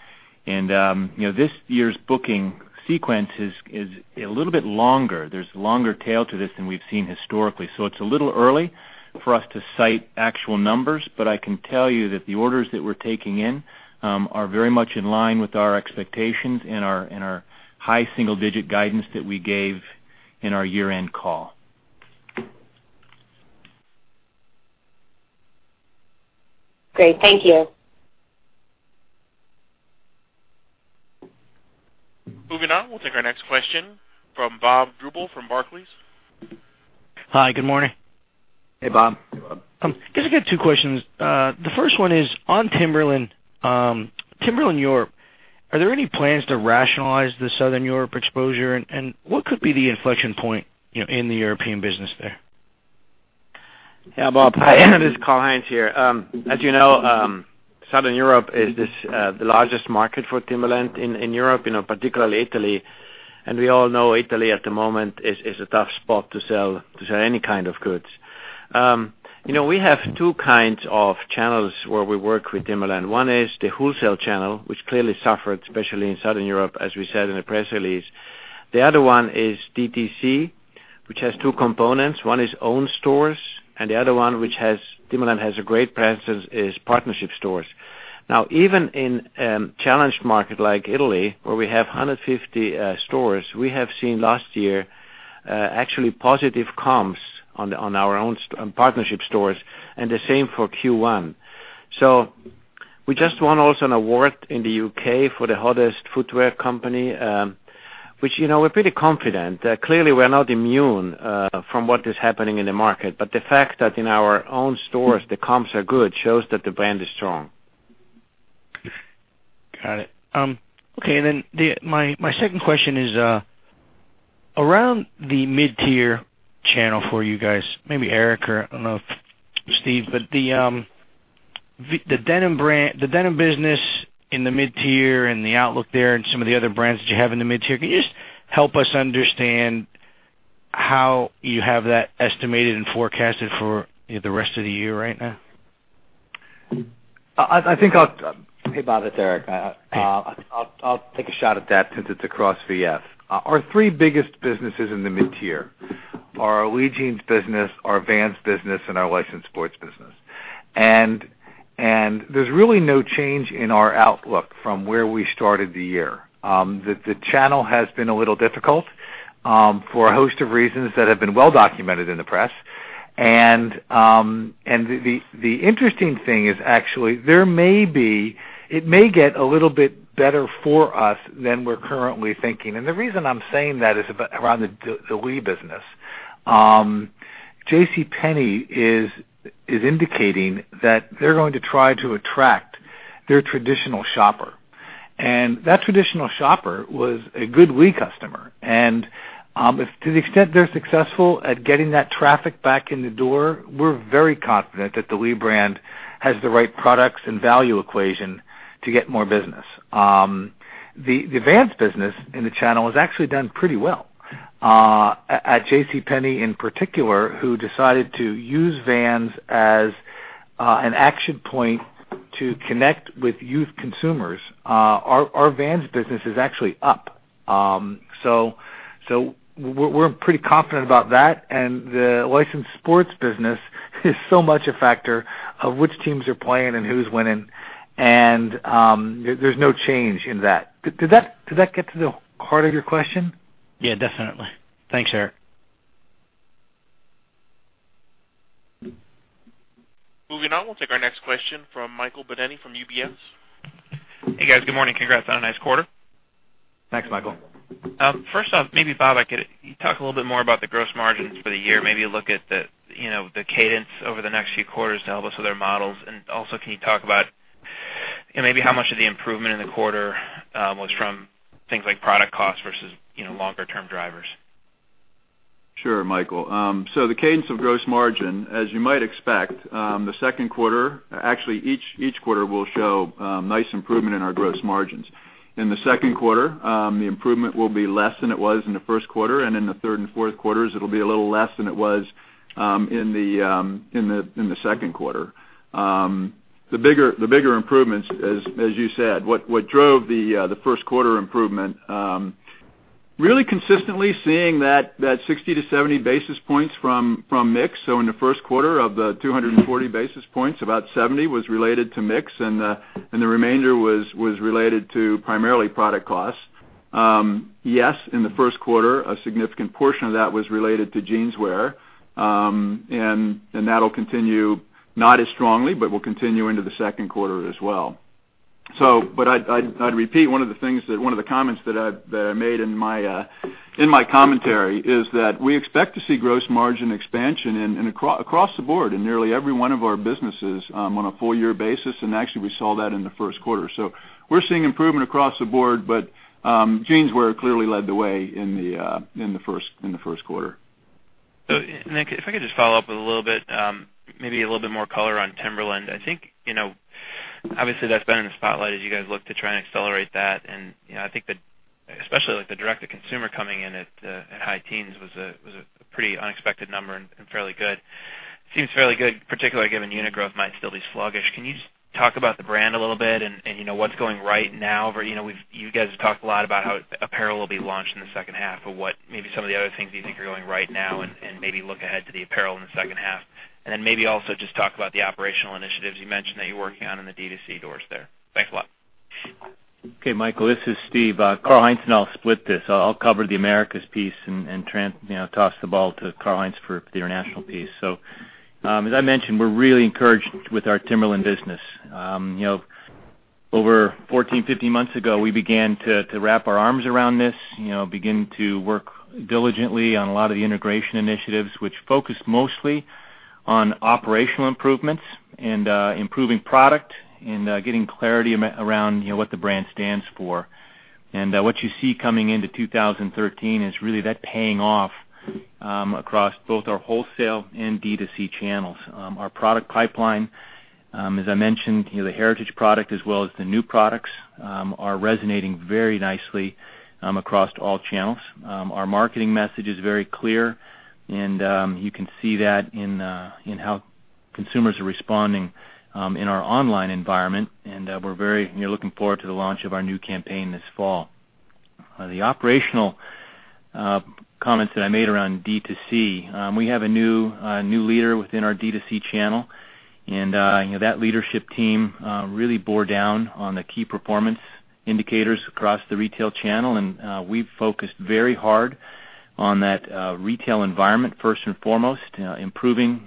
This year's booking sequence is a little bit longer. There's a longer tail to this than we've seen historically. It's a little early for us to cite actual numbers, but I can tell you that the orders that we're taking in are very much in line with our expectations and our high single-digit guidance that we gave in our year-end call. Great. Thank you. Moving on, we'll take our next question from Bob Drbul from Barclays. Hi, good morning. Hey, Bob. I guess I got two questions. The first one is on Timberland. Timberland Europe, are there any plans to rationalize the Southern Europe exposure? What could be the inflection point in the European business there? Yeah. Bob, hi. This is Karl-Heinz here. As you know, Southern Europe is the largest market for Timberland in Europe, particularly Italy. We all know Italy at the moment is a tough spot to sell any kind of goods. We have two kinds of channels where we work with Timberland. One is the wholesale channel, which clearly suffered, especially in Southern Europe, as we said in the press release. The other one is DTC, which has two components. One is owned stores, and the other one, which Timberland has a great presence, is partnership stores. Now, even in a challenged market like Italy, where we have 150 stores, we have seen last year actually positive comps on our own partnership stores, and the same for Q1. We just won also an award in the U.K. for the hottest footwear company, which we're pretty confident. Clearly, we're not immune from what is happening in the market. The fact that in our own stores, the comps are good, shows that the brand is strong. Got it. Okay. My second question is around the mid-tier channel for you guys. Maybe Eric or Steve, but the denim business in the mid-tier and the outlook there and some of the other brands that you have in the mid-tier. Can you just help us understand how you have that estimated and forecasted for the rest of the year right now? Hey, Bob. It's Eric. I'll take a shot at that since it's across VF. Our three biggest businesses in the mid-tier are our Lee jeans business, our Vans business, and our licensed sports business. There's really no change in our outlook from where we started the year. The channel has been a little difficult for a host of reasons that have been well documented in the press. The interesting thing is actually, it may get a little bit better for us than we're currently thinking. The reason I'm saying that is around the Lee business. JCPenney is indicating that they're going to try to attract their traditional shopper, and that traditional shopper was a good Lee customer. To the extent they're successful at getting that traffic back in the door, we're very confident that the Lee brand has the right products and value equation to get more business. The Vans business in the channel has actually done pretty well. At JCPenney, in particular, who decided to use Vans as an action point to connect with youth consumers. Our Vans business is actually up. We're pretty confident about that. The licensed sports business is so much a factor of which teams are playing and who's winning. There's no change in that. Did that get to the heart of your question? Yeah, definitely. Thanks, Eric. Moving on. We'll take our next question from Michael Binetti from UBS. Hey, guys. Good morning. Congrats on a nice quarter. Thanks, Michael. First off, maybe, Bob, you talk a little bit more about the gross margins for the year. Maybe look at the cadence over the next few quarters to help us with our models. Also, can you talk about maybe how much of the improvement in the quarter was from things like product costs versus longer-term drivers? The cadence of gross margin, as you might expect, each quarter will show nice improvement in our gross margins. In the second quarter, the improvement will be less than it was in the first quarter. In the third and fourth quarters, it'll be a little less than it was in the second quarter. The bigger improvements, as you said, what drove the first quarter improvement, consistently seeing that 60 to 70 basis points from mix. In the first quarter of the 240 basis points, about 70 was related to mix and the remainder was related to primarily product costs. In the first quarter, a significant portion of that was related to Jeanswear. That'll continue, not as strongly, but will continue into the second quarter as well. I'd repeat one of the comments that I made in my commentary, is that we expect to see gross margin expansion across the board in nearly every one of our businesses on a full-year basis. We saw that in the first quarter. We're seeing improvement across the board. Jeanswear clearly led the way in the first quarter. Eric, if I could just follow up a little bit, maybe a little bit more color on Timberland. That's been in the spotlight as you guys look to try and accelerate that. Especially with the direct-to-consumer coming in at high teens was a pretty unexpected number and fairly good. Seems fairly good, particularly given unit growth might still be sluggish. Can you talk about the brand a little bit and what's going right now? You guys have talked a lot about how apparel will be launched in the second half. What maybe some of the other things you think are going right now and maybe look ahead to the apparel in the second half. Then maybe also just talk about the operational initiatives you mentioned that you're working on in the D2C doors there. Thanks a lot. Okay, Michael. This is Steve. Karl-Heinz and I will split this. I'll cover the Americas piece and toss the ball to Karl-Heinz for the international piece. As I mentioned, we're encouraged with our Timberland business. Over 14, 15 months ago, we began to wrap our arms around this, begin to work diligently on a lot of the integration initiatives, which focus mostly on operational improvements and improving product and getting clarity around what the brand stands for. What you see coming into 2013 is that paying off across both our wholesale and D2C channels. Our product pipeline, as I mentioned, the heritage product as well as the new products, are resonating very nicely across all channels. Our marketing message is very clear, and you can see that in how consumers are responding in our online environment. We're very looking forward to the launch of our new campaign this fall. The operational comments that I made around D2C. We have a new leader within our D2C channel, and that leadership team really bore down on the key performance indicators across the retail channel. We've focused very hard on that retail environment first and foremost, improving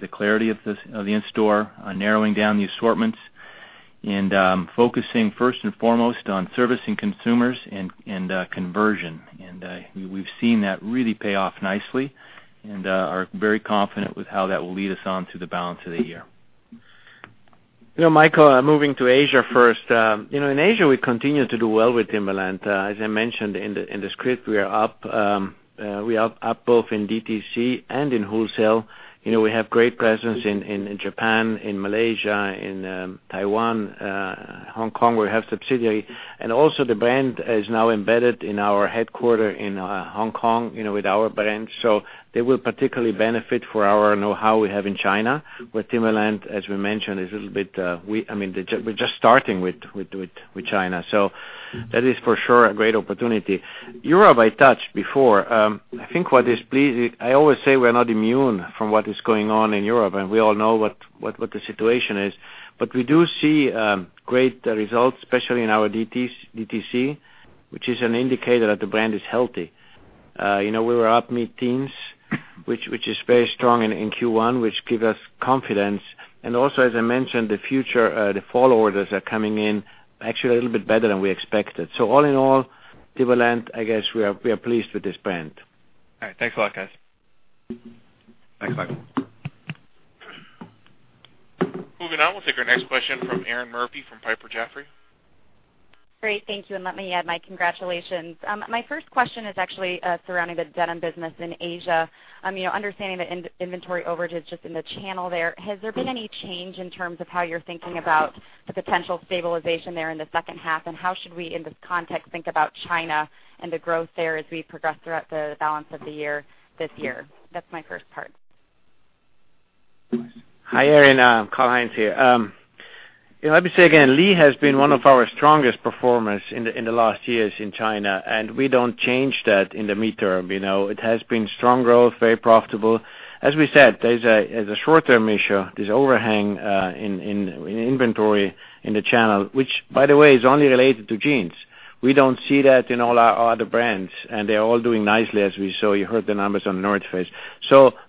the clarity of the in-store, narrowing down the assortments, and focusing first and foremost on servicing consumers and conversion. We've seen that really pay off nicely and are very confident with how that will lead us on to the balance of the year. Michael, moving to Asia first. In Asia, we continue to do well with Timberland. As I mentioned in the script, we are up both in DTC and in wholesale. We have great presence in Japan, in Malaysia, in Taiwan. Hong Kong, we have subsidiary. Also the brand is now embedded in our headquarter in Hong Kong, with our brands. They will particularly benefit for our knowhow we have in China. With Timberland, as we mentioned, we're just starting with China. That is for sure a great opportunity. Europe, I touched before. I always say we're not immune from what is going on in Europe, and we all know what the situation is. We do see great results, especially in our DTC, which is an indicator that the brand is healthy. We were up mid-teens, which is very strong in Q1, which give us confidence. Also, as I mentioned, the fall orders are coming in actually a little bit better than we expected. All in all, Timberland, I guess we are pleased with this brand. All right. Thanks a lot, guys. Thanks, Michael. Moving on, we'll take our next question from Erinn Murphy from Piper Jaffray. Great. Thank you, and let me add my congratulations. My first question is actually surrounding the denim business in Asia. Understanding the inventory overage is just in the channel there, has there been any change in terms of how you're thinking about the potential stabilization there in the second half? How should we, in this context, think about China and the growth there as we progress throughout the balance of the year this year? That's my first part. Hi, Erinn. Karl-Heinz here. Let me say again, Lee has been one of our strongest performers in the last years in China, and we don't change that in the midterm. It has been strong growth, very profitable. As we said, there's a short-term issue, this overhang in inventory in the channel, which, by the way, is only related to jeans. We don't see that in all our other brands, and they're all doing nicely, as we saw. You heard the numbers on The North Face.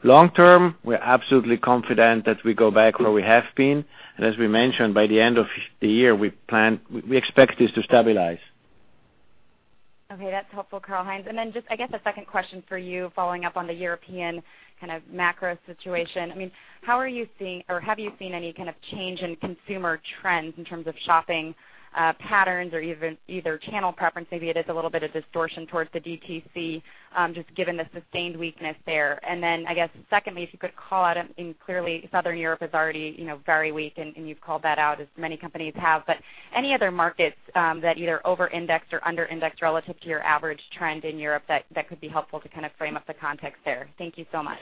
Long term, we're absolutely confident that we go back where we have been. As we mentioned, by the end of the year, we expect this to stabilize. Okay. That's helpful, Karl-Heinz. I guess a 2nd question for you, following up on the European kind of macro situation. Have you seen any kind of change in consumer trends in terms of shopping patterns or even either channel preference? Maybe it is a little bit of distortion towards the DTC, just given the sustained weakness there. I guess 2ndly, if you could call out, and clearly Southern Europe is already very weak, and you've called that out as many companies have. Any other markets that either over-index or under-index relative to your average trend in Europe that could be helpful to kind of frame up the context there? Thank you so much.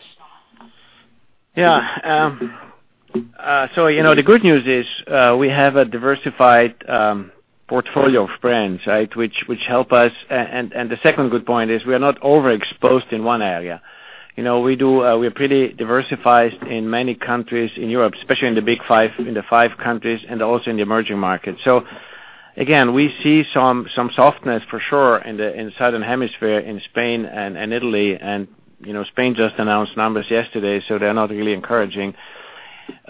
Yeah. The good news is, we have a diversified portfolio of brands, which help us. The 2nd good point is we are not overexposed in one area. We're pretty diversified in many countries in Europe, especially in the big five, in the five countries and also in the emerging markets. Again, we see some softness for sure in Southern Europe, in Spain and Italy. Spain just announced numbers yesterday, they're not really encouraging.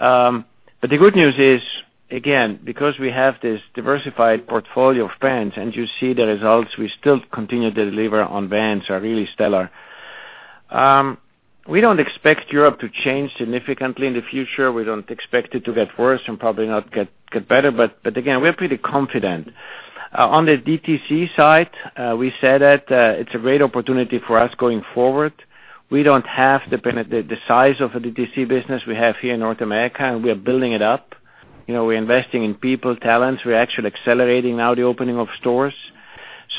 The good news is, again, because we have this diversified portfolio of brands, and you see the results, we still continue to deliver on brands are really stellar. We don't expect Europe to change significantly in the future. We don't expect it to get worse and probably not get better. Again, we are pretty confident. On the DTC side, we said that it's a great opportunity for us going forward. We don't have the size of a DTC business we have here in North America, and we are building it up. We're investing in people, talents. We're actually accelerating now the opening of stores.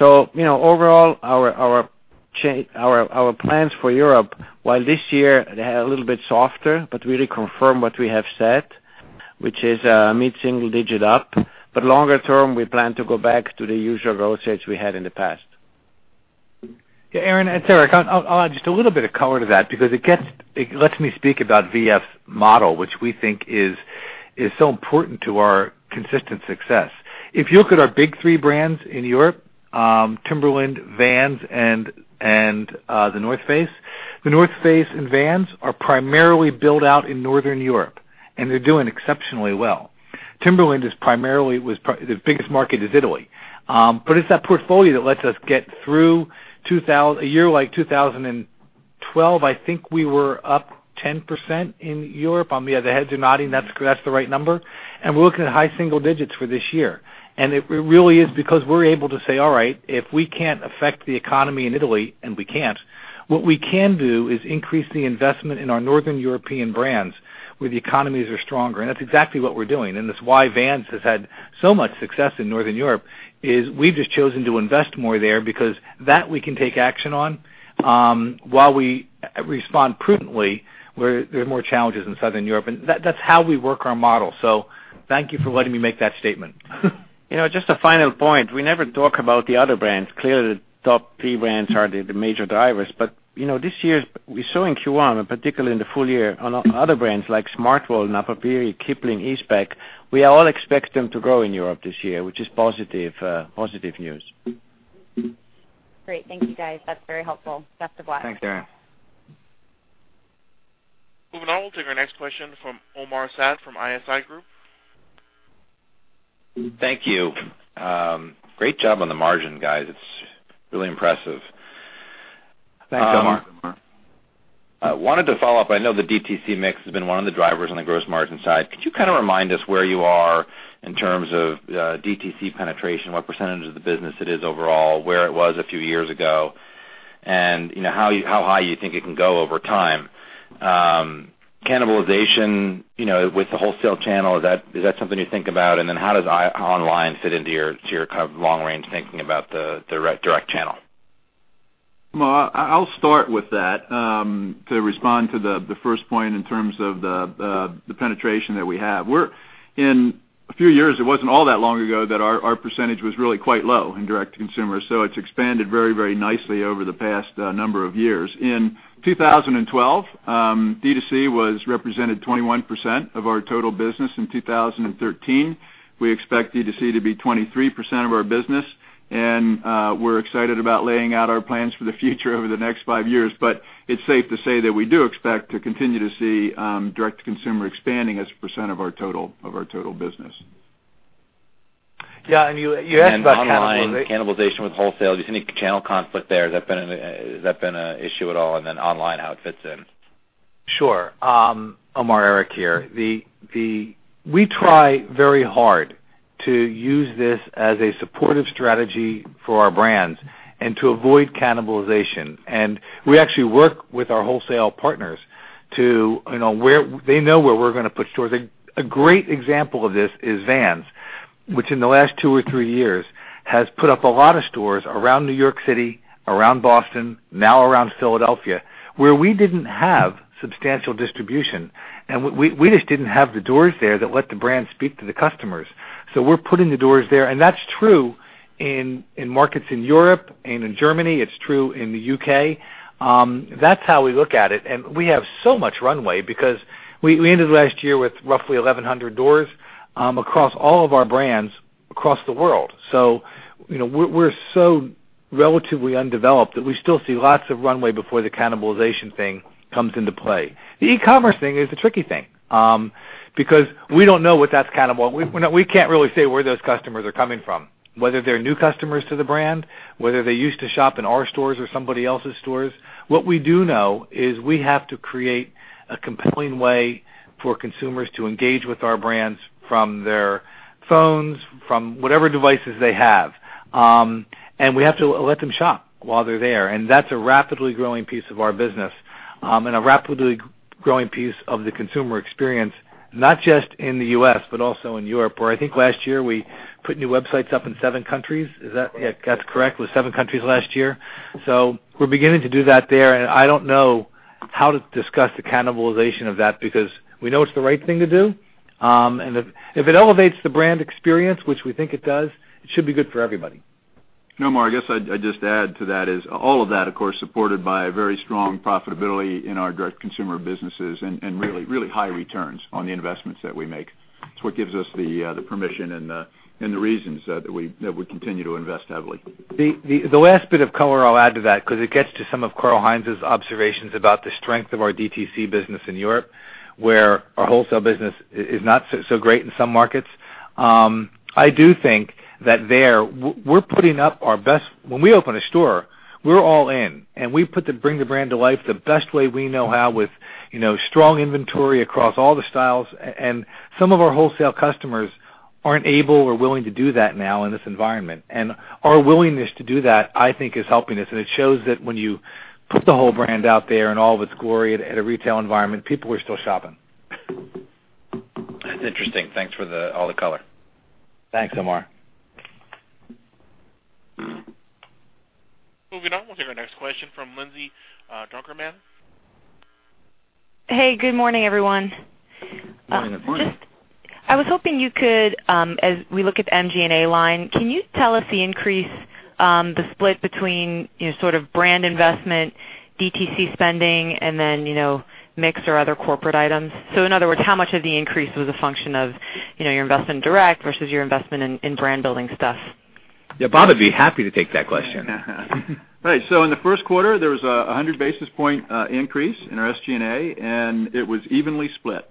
Overall, our plans for Europe, while this year they're a little bit softer, really confirm what we have said, which is mid-single digit up. Longer term, we plan to go back to the usual growth rates we had in the past. Yeah, Erinn it's Eric, I'll add just a little bit of color to that because it lets me speak about VF's model, which we think is so important to our consistent success. If you look at our big three brands in Europe, Timberland, Vans, and The North Face. The North Face and Vans are primarily built out in Northern Europe, and they're doing exceptionally well. Timberland, the biggest market is Italy. It's that portfolio that lets us get through a year like 2012. I think we were up 10% in Europe. The heads are nodding. That's the right number. We're looking at high single digits for this year. It really is because we're able to say, all right, if we can't affect the economy in Italy, and we can't, what we can do is increase the investment in our Northern European brands where the economies are stronger. That's exactly what we're doing. That's why Vans has had so much success in Northern Europe, is we've just chosen to invest more there because that we can take action on, while we respond prudently where there are more challenges in Southern Europe. That's how we work our model. Thank you for letting me make that statement. Just a final point. We never talk about the other brands. Clearly, the top three brands are the major drivers. This year, we saw in Q1, and particularly in the full year, on other brands like Smartwool, Napapijri, Kipling, Eastpak. We all expect them to grow in Europe this year, which is positive news. Great. Thank you, guys. That's very helpful. Best of luck. Thanks, Erinn. Moving on, we'll take our next question from Omar Saad from ISI Group. Thank you. Great job on the margin, guys. It's really impressive. Thanks, Omar. Wanted to follow up. I know the DTC mix has been one of the drivers on the gross margin side. Could you kind of remind us where you are in terms of DTC penetration, what percentage of the business it is overall, where it was a few years ago, and how high you think it can go over time? Cannibalization, with the wholesale channel, is that something you think about? How does online fit into your kind of long-range thinking about the direct channel? I'll start with that. To respond to the first point in terms of the penetration that we have. In a few years, it wasn't all that long ago that our percentage was really quite low in direct-to-consumer. It's expanded very nicely over the past number of years. In 2012, D2C represented 21% of our total business. In 2013, we expect D2C to be 23% of our business, and we're excited about laying out our plans for the future over the next five years. It's safe to say that we do expect to continue to see direct-to-consumer expanding as a % of our total business. Yeah, you asked about. Online cannibalization with wholesale. Do you see any channel conflict there? Has that been an issue at all? Then online, how it fits in. Sure. Omar, Eric here. We try very hard to use this as a supportive strategy for our brands and to avoid cannibalization. We actually work with our wholesale partners. They know where we're going to put stores. A great example of this is Vans, which in the last two or three years has put up a lot of stores around New York City, around Boston, now around Philadelphia, where we didn't have substantial distribution, and we just didn't have the doors there that let the brand speak to the customers. We're putting the doors there. That's true in markets in Europe and in Germany. It's true in the U.K. That's how we look at it. We have so much runway because we ended last year with roughly 1,100 doors across all of our brands across the world. We're so relatively undeveloped that we still see lots of runway before the cannibalization thing comes into play. The e-commerce thing is a tricky thing, because we don't know what that's. We can't really say where those customers are coming from, whether they're new customers to the brand, whether they used to shop in our stores or somebody else's stores. What we do know is we have to create a compelling way for consumers to engage with our brands from their phones, from whatever devices they have. We have to let them shop while they're there. That's a rapidly growing piece of our business and a rapidly growing piece of the consumer experience, not just in the U.S., but also in Europe, where I think last year we put new websites up in seven countries. Yeah, that's correct. It was seven countries last year. We're beginning to do that there. I don't know how to discuss the cannibalization of that because we know it's the right thing to do. If it elevates the brand experience, which we think it does, it should be good for everybody. Omar, I guess I'd just add to that is all of that, of course, supported by a very strong profitability in our direct-to-consumer businesses and really high returns on the investments that we make. It's what gives us the permission and the reasons that we continue to invest heavily. The last bit of color I'll add to that, because it gets to some of Karl-Heinz's observations about the strength of our DTC business in Europe, where our wholesale business is not so great in some markets. I do think that there, we're putting up our best. When we open a store, we're all in, and we bring the brand to life the best way we know how with strong inventory across all the styles. Some of our wholesale customers aren't able or willing to do that now in this environment. Our willingness to do that, I think, is helping us. It shows that when you put the whole brand out there in all of its glory at a retail environment, people are still shopping. That's interesting. Thanks for all the color. Thanks, Omar. Moving on. We'll take our next question from Lindsay Drucker Mann. Hey, good morning, everyone. Morning. Morning. Just, I was hoping you could, as we look at the SG&A line, can you tell us the increase, the split between sort of brand investment, DTC spending, and then mix or other corporate items? In other words, how much of the increase was a function of your investment in direct versus your investment in brand-building stuff? Yeah, Bob would be happy to take that question. Right. In the first quarter, there was a 100-basis-point increase in our SG&A, and it was evenly split.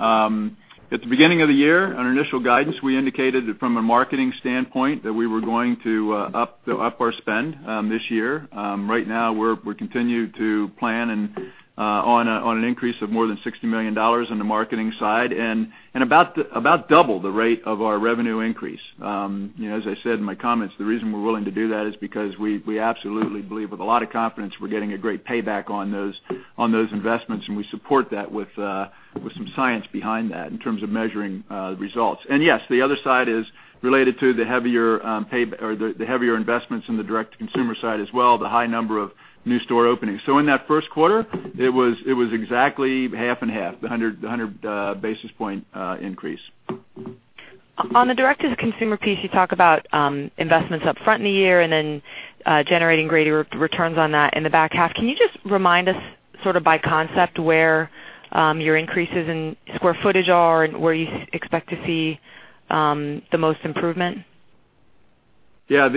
At the beginning of the year, on our initial guidance, we indicated that from a marketing standpoint, that we were going to up our spend this year. Right now, we continue to plan on an increase of more than $60 million on the marketing side and about double the rate of our revenue increase. As I said in my comments, the reason we're willing to do that is because we absolutely believe with a lot of confidence we're getting a great payback on those investments, and we support that with some science behind that in terms of measuring the results. Yes, the other side is related to the heavier investments in the direct-to-consumer side as well, the high number of new store openings. In that first quarter, it was exactly half and half, the 100-basis-point increase. On the direct-to-consumer piece, you talk about investments up front in the year and then generating greater returns on that in the back half. Can you just remind us sort of by concept where your increases in square footage are and where you expect to see the most improvement? Yeah.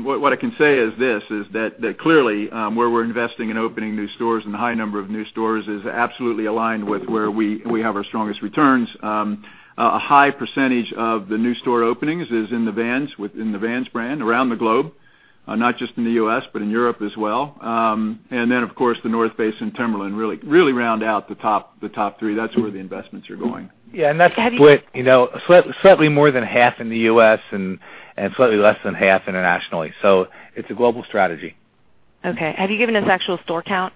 What I can say is this, is that clearly, where we're investing in opening new stores and the high number of new stores is absolutely aligned with where we have our strongest returns. A high percentage of the new store openings is in the Vans brand around the globe, not just in the U.S., but in Europe as well. Then, of course, The North Face and Timberland really round out the top three. That's where the investments are going. Yeah. That's split slightly more than half in the U.S. and slightly less than half internationally. It's a global strategy. Okay. Have you given us actual store count?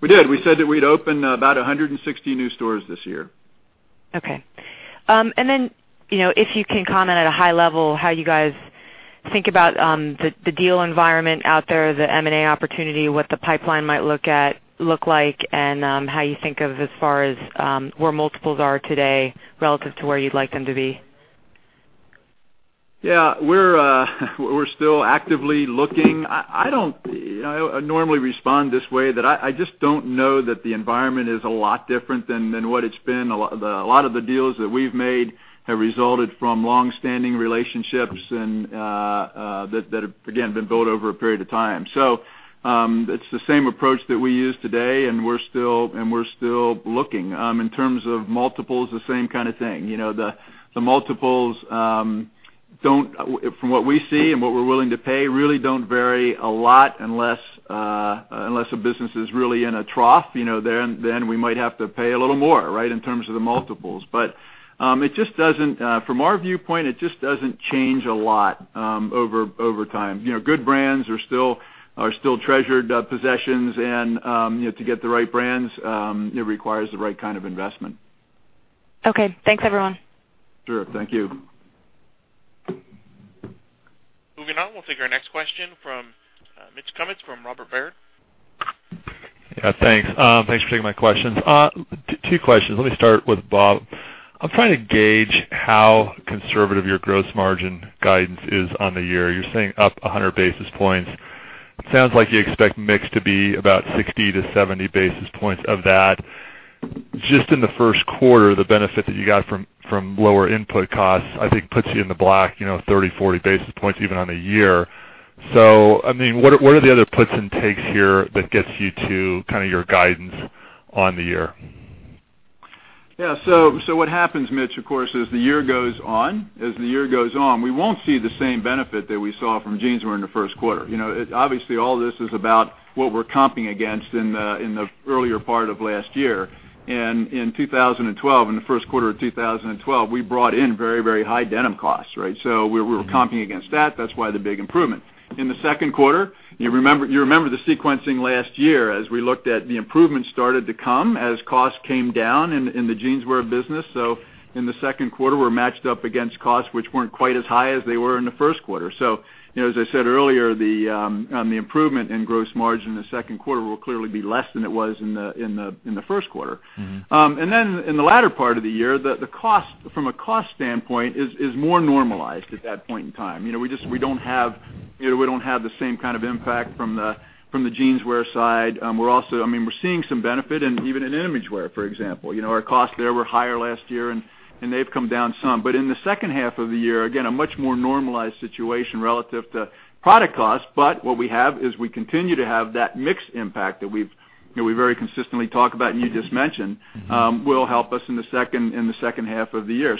We did. We said that we'd open about 160 new stores this year. Okay. If you can comment at a high level how you guys think about the deal environment out there, the M&A opportunity, what the pipeline might look like, and how you think of as far as where multiples are today relative to where you'd like them to be. Yeah. We're still actively looking. I normally respond this way, that I just don't know that the environment is a lot different than what it's been. A lot of the deals that we've made have resulted from longstanding relationships that have, again, been built over a period of time. It's the same approach that we use today, and we're still looking. In terms of multiples, the same kind of thing. The multiples, from what we see and what we're willing to pay, really don't vary a lot unless a business is really in a trough. We might have to pay a little more, right, in terms of the multiples. From our viewpoint, it just doesn't change a lot over time. Good brands are still treasured possessions, and to get the right brands, it requires the right kind of investment. Okay. Thanks, everyone. Sure. Thank you. Moving on. We will take our next question from Mitch Kummetz from Robert W. Baird. Yeah, thanks. Thanks for taking my questions. Two questions. Let me start with Bob. I am trying to gauge how conservative your gross margin guidance is on the year. You are saying up 100 basis points. It sounds like you expect mix to be about 60 to 70 basis points of that. Just in the first quarter, the benefit that you got from lower input costs, I think, puts you in the black 30, 40 basis points even on the year. What are the other puts and takes here that gets you to your guidance on the year? Yeah. What happens, Mitch, of course, as the year goes on, we won't see the same benefit that we saw from jeans wear in the first quarter. Obviously, all this is about what we are comping against in the earlier part of last year. In the first quarter of 2012, we brought in very high denim costs, right? We were comping against that. That is why the big improvement. In the second quarter, you remember the sequencing last year as we looked at the improvements started to come as costs came down in the Jeanswear business. In the second quarter, we are matched up against costs which weren't quite as high as they were in the first quarter. As I said earlier, the improvement in gross margin in the second quarter will clearly be less than it was in the first quarter. In the latter part of the year, from a cost standpoint, is more normalized at that point in time. We don't have the same kind of impact from the jeans wear side. We are seeing some benefit and even in VF Imagewear, for example. Our costs there were higher last year, and they have come down some. In the second half of the year, again, a much more normalized situation relative to product cost. What we have is we continue to have that mix impact that we very consistently talk about. will help us in the second half of the year.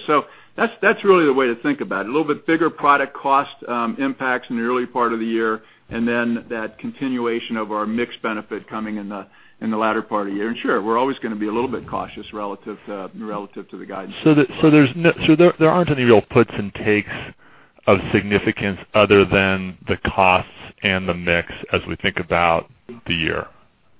That's really the way to think about it. A little bit bigger product cost impacts in the early part of the year, then that continuation of our mix benefit coming in the latter part of the year. Sure, we're always going to be a little bit cautious relative to the guidance. There aren't any real puts and takes of significance other than the costs and the mix as we think about the year.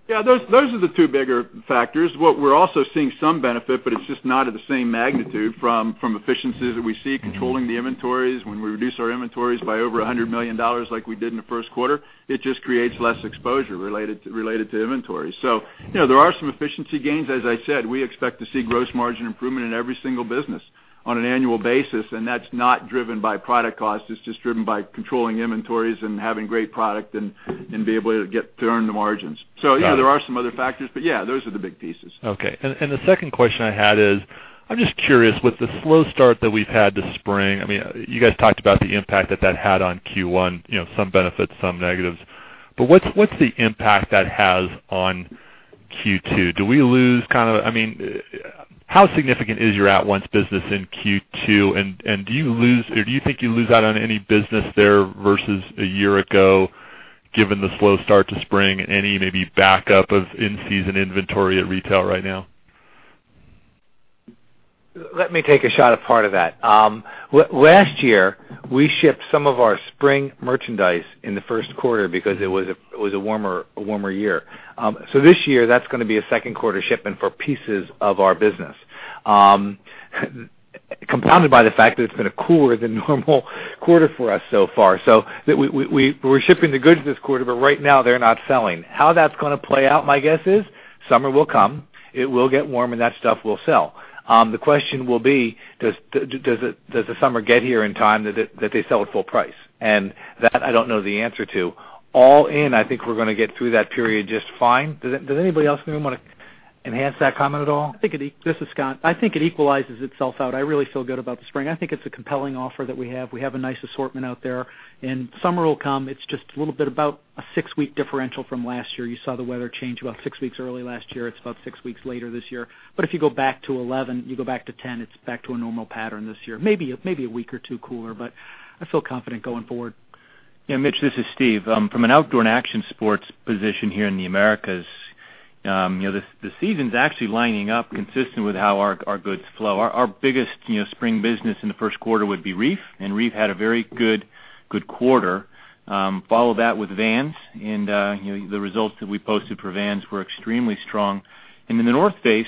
Those are the two bigger factors. What we're also seeing some benefit, it's just not at the same magnitude from efficiencies that we see controlling the inventories. When we reduce our inventories by over $100 million like we did in the first quarter, it just creates less exposure related to inventories. There are some efficiency gains. As I said, we expect to see gross margin improvement in every single business on an annual basis, that's not driven by product cost. It's just driven by controlling inventories and having great product and be able to earn the margins. There are some other factors, those are the big pieces. The second question I had is, I'm just curious, with the slow start that we've had this spring, you guys talked about the impact that that had on Q1, some benefits, some negatives, what's the impact that has on Q2? How significant is your at-once business in Q2, do you think you lose out on any business there versus a year ago, given the slow start to spring, any maybe backup of in-season inventory at retail right now? Let me take a shot at part of that. Last year, we shipped some of our spring merchandise in the first quarter because it was a warmer year. This year, that's going to be a second quarter shipment for pieces of our business. Compounded by the fact that it's been a cooler than normal quarter for us so far. We're shipping the goods this quarter, but right now they're not selling. How that's going to play out, my guess is summer will come, it will get warm, and that stuff will sell. The question will be, does the summer get here in time that they sell at full price? That I don't know the answer to. All in, I think we're going to get through that period just fine. Does anybody else want to- Enhance that comment at all? This is Scott. I think it equalizes itself out. I really feel good about the spring. I think it's a compelling offer that we have. We have a nice assortment out there, Summer will come. It's just a little bit about a six-week differential from last year. You saw the weather change about six weeks early last year. It's about six weeks later this year. If you go back to 2011, you go back to 2010, it's back to a normal pattern this year. Maybe a week or two cooler, but I feel confident going forward. Yeah, Mitch, this is Steve. From an outdoor and action sports position here in the Americas, the season's actually lining up consistent with how our goods flow. Our biggest spring business in the first quarter would be Reef had a very good quarter. Follow that with Vans, The results that we posted for Vans were extremely strong. The North Face,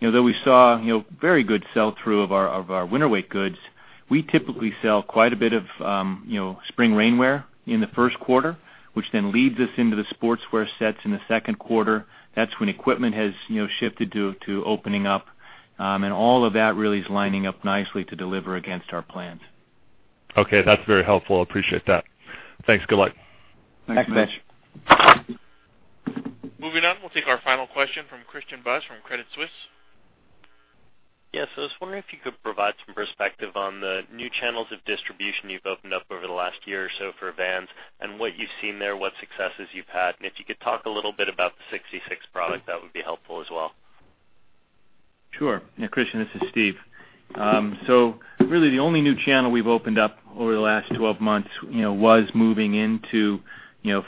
though we saw very good sell-through of our winter weight goods, we typically sell quite a bit of spring rainwear in the first quarter, which then leads us into the sportswear sets in the second quarter. That's when equipment has shifted to opening up. All of that really is lining up nicely to deliver against our plans. Okay. That's very helpful. I appreciate that. Thanks. Good luck. Thanks, Mitch. Thanks, Mitch. Moving on, we'll take our final question from Christian Buss from Credit Suisse. Yes. I was wondering if you could provide some perspective on the new channels of distribution you've opened up over the last year or so for Vans, and what you've seen there, what successes you've had. If you could talk a little bit about the 66 product, that would be helpful as well. Sure. Yeah, Christian, this is Steve. Really the only new channel we've opened up over the last 12 months was moving into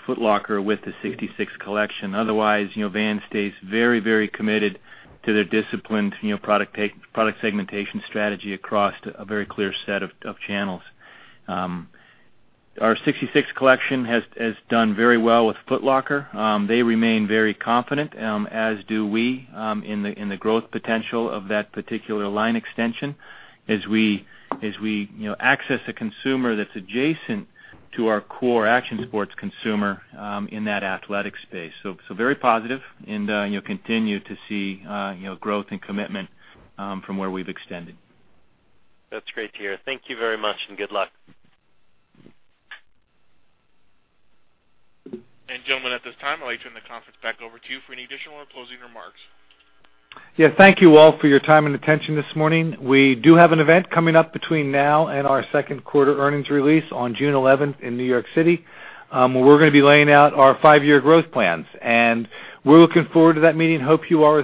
Foot Locker with the 66 collection. Otherwise, Vans stays very committed to their disciplined product segmentation strategy across a very clear set of channels. Our 66 collection has done very well with Foot Locker. They remain very confident, as do we, in the growth potential of that particular line extension as we access a consumer that's adjacent to our core action sports consumer, in that athletic space. Very positive and continue to see growth and commitment from where we've extended. That's great to hear. Thank you very much and good luck. Gentlemen, at this time, I'd like to turn the conference back over to you for any additional or closing remarks. Yeah. Thank you all for your time and attention this morning. We do have an event coming up between now and our second quarter earnings release on June 11th in New York City, where we're going to be laying out our five-year growth plans. We're looking forward to that meeting. Hope you are as well.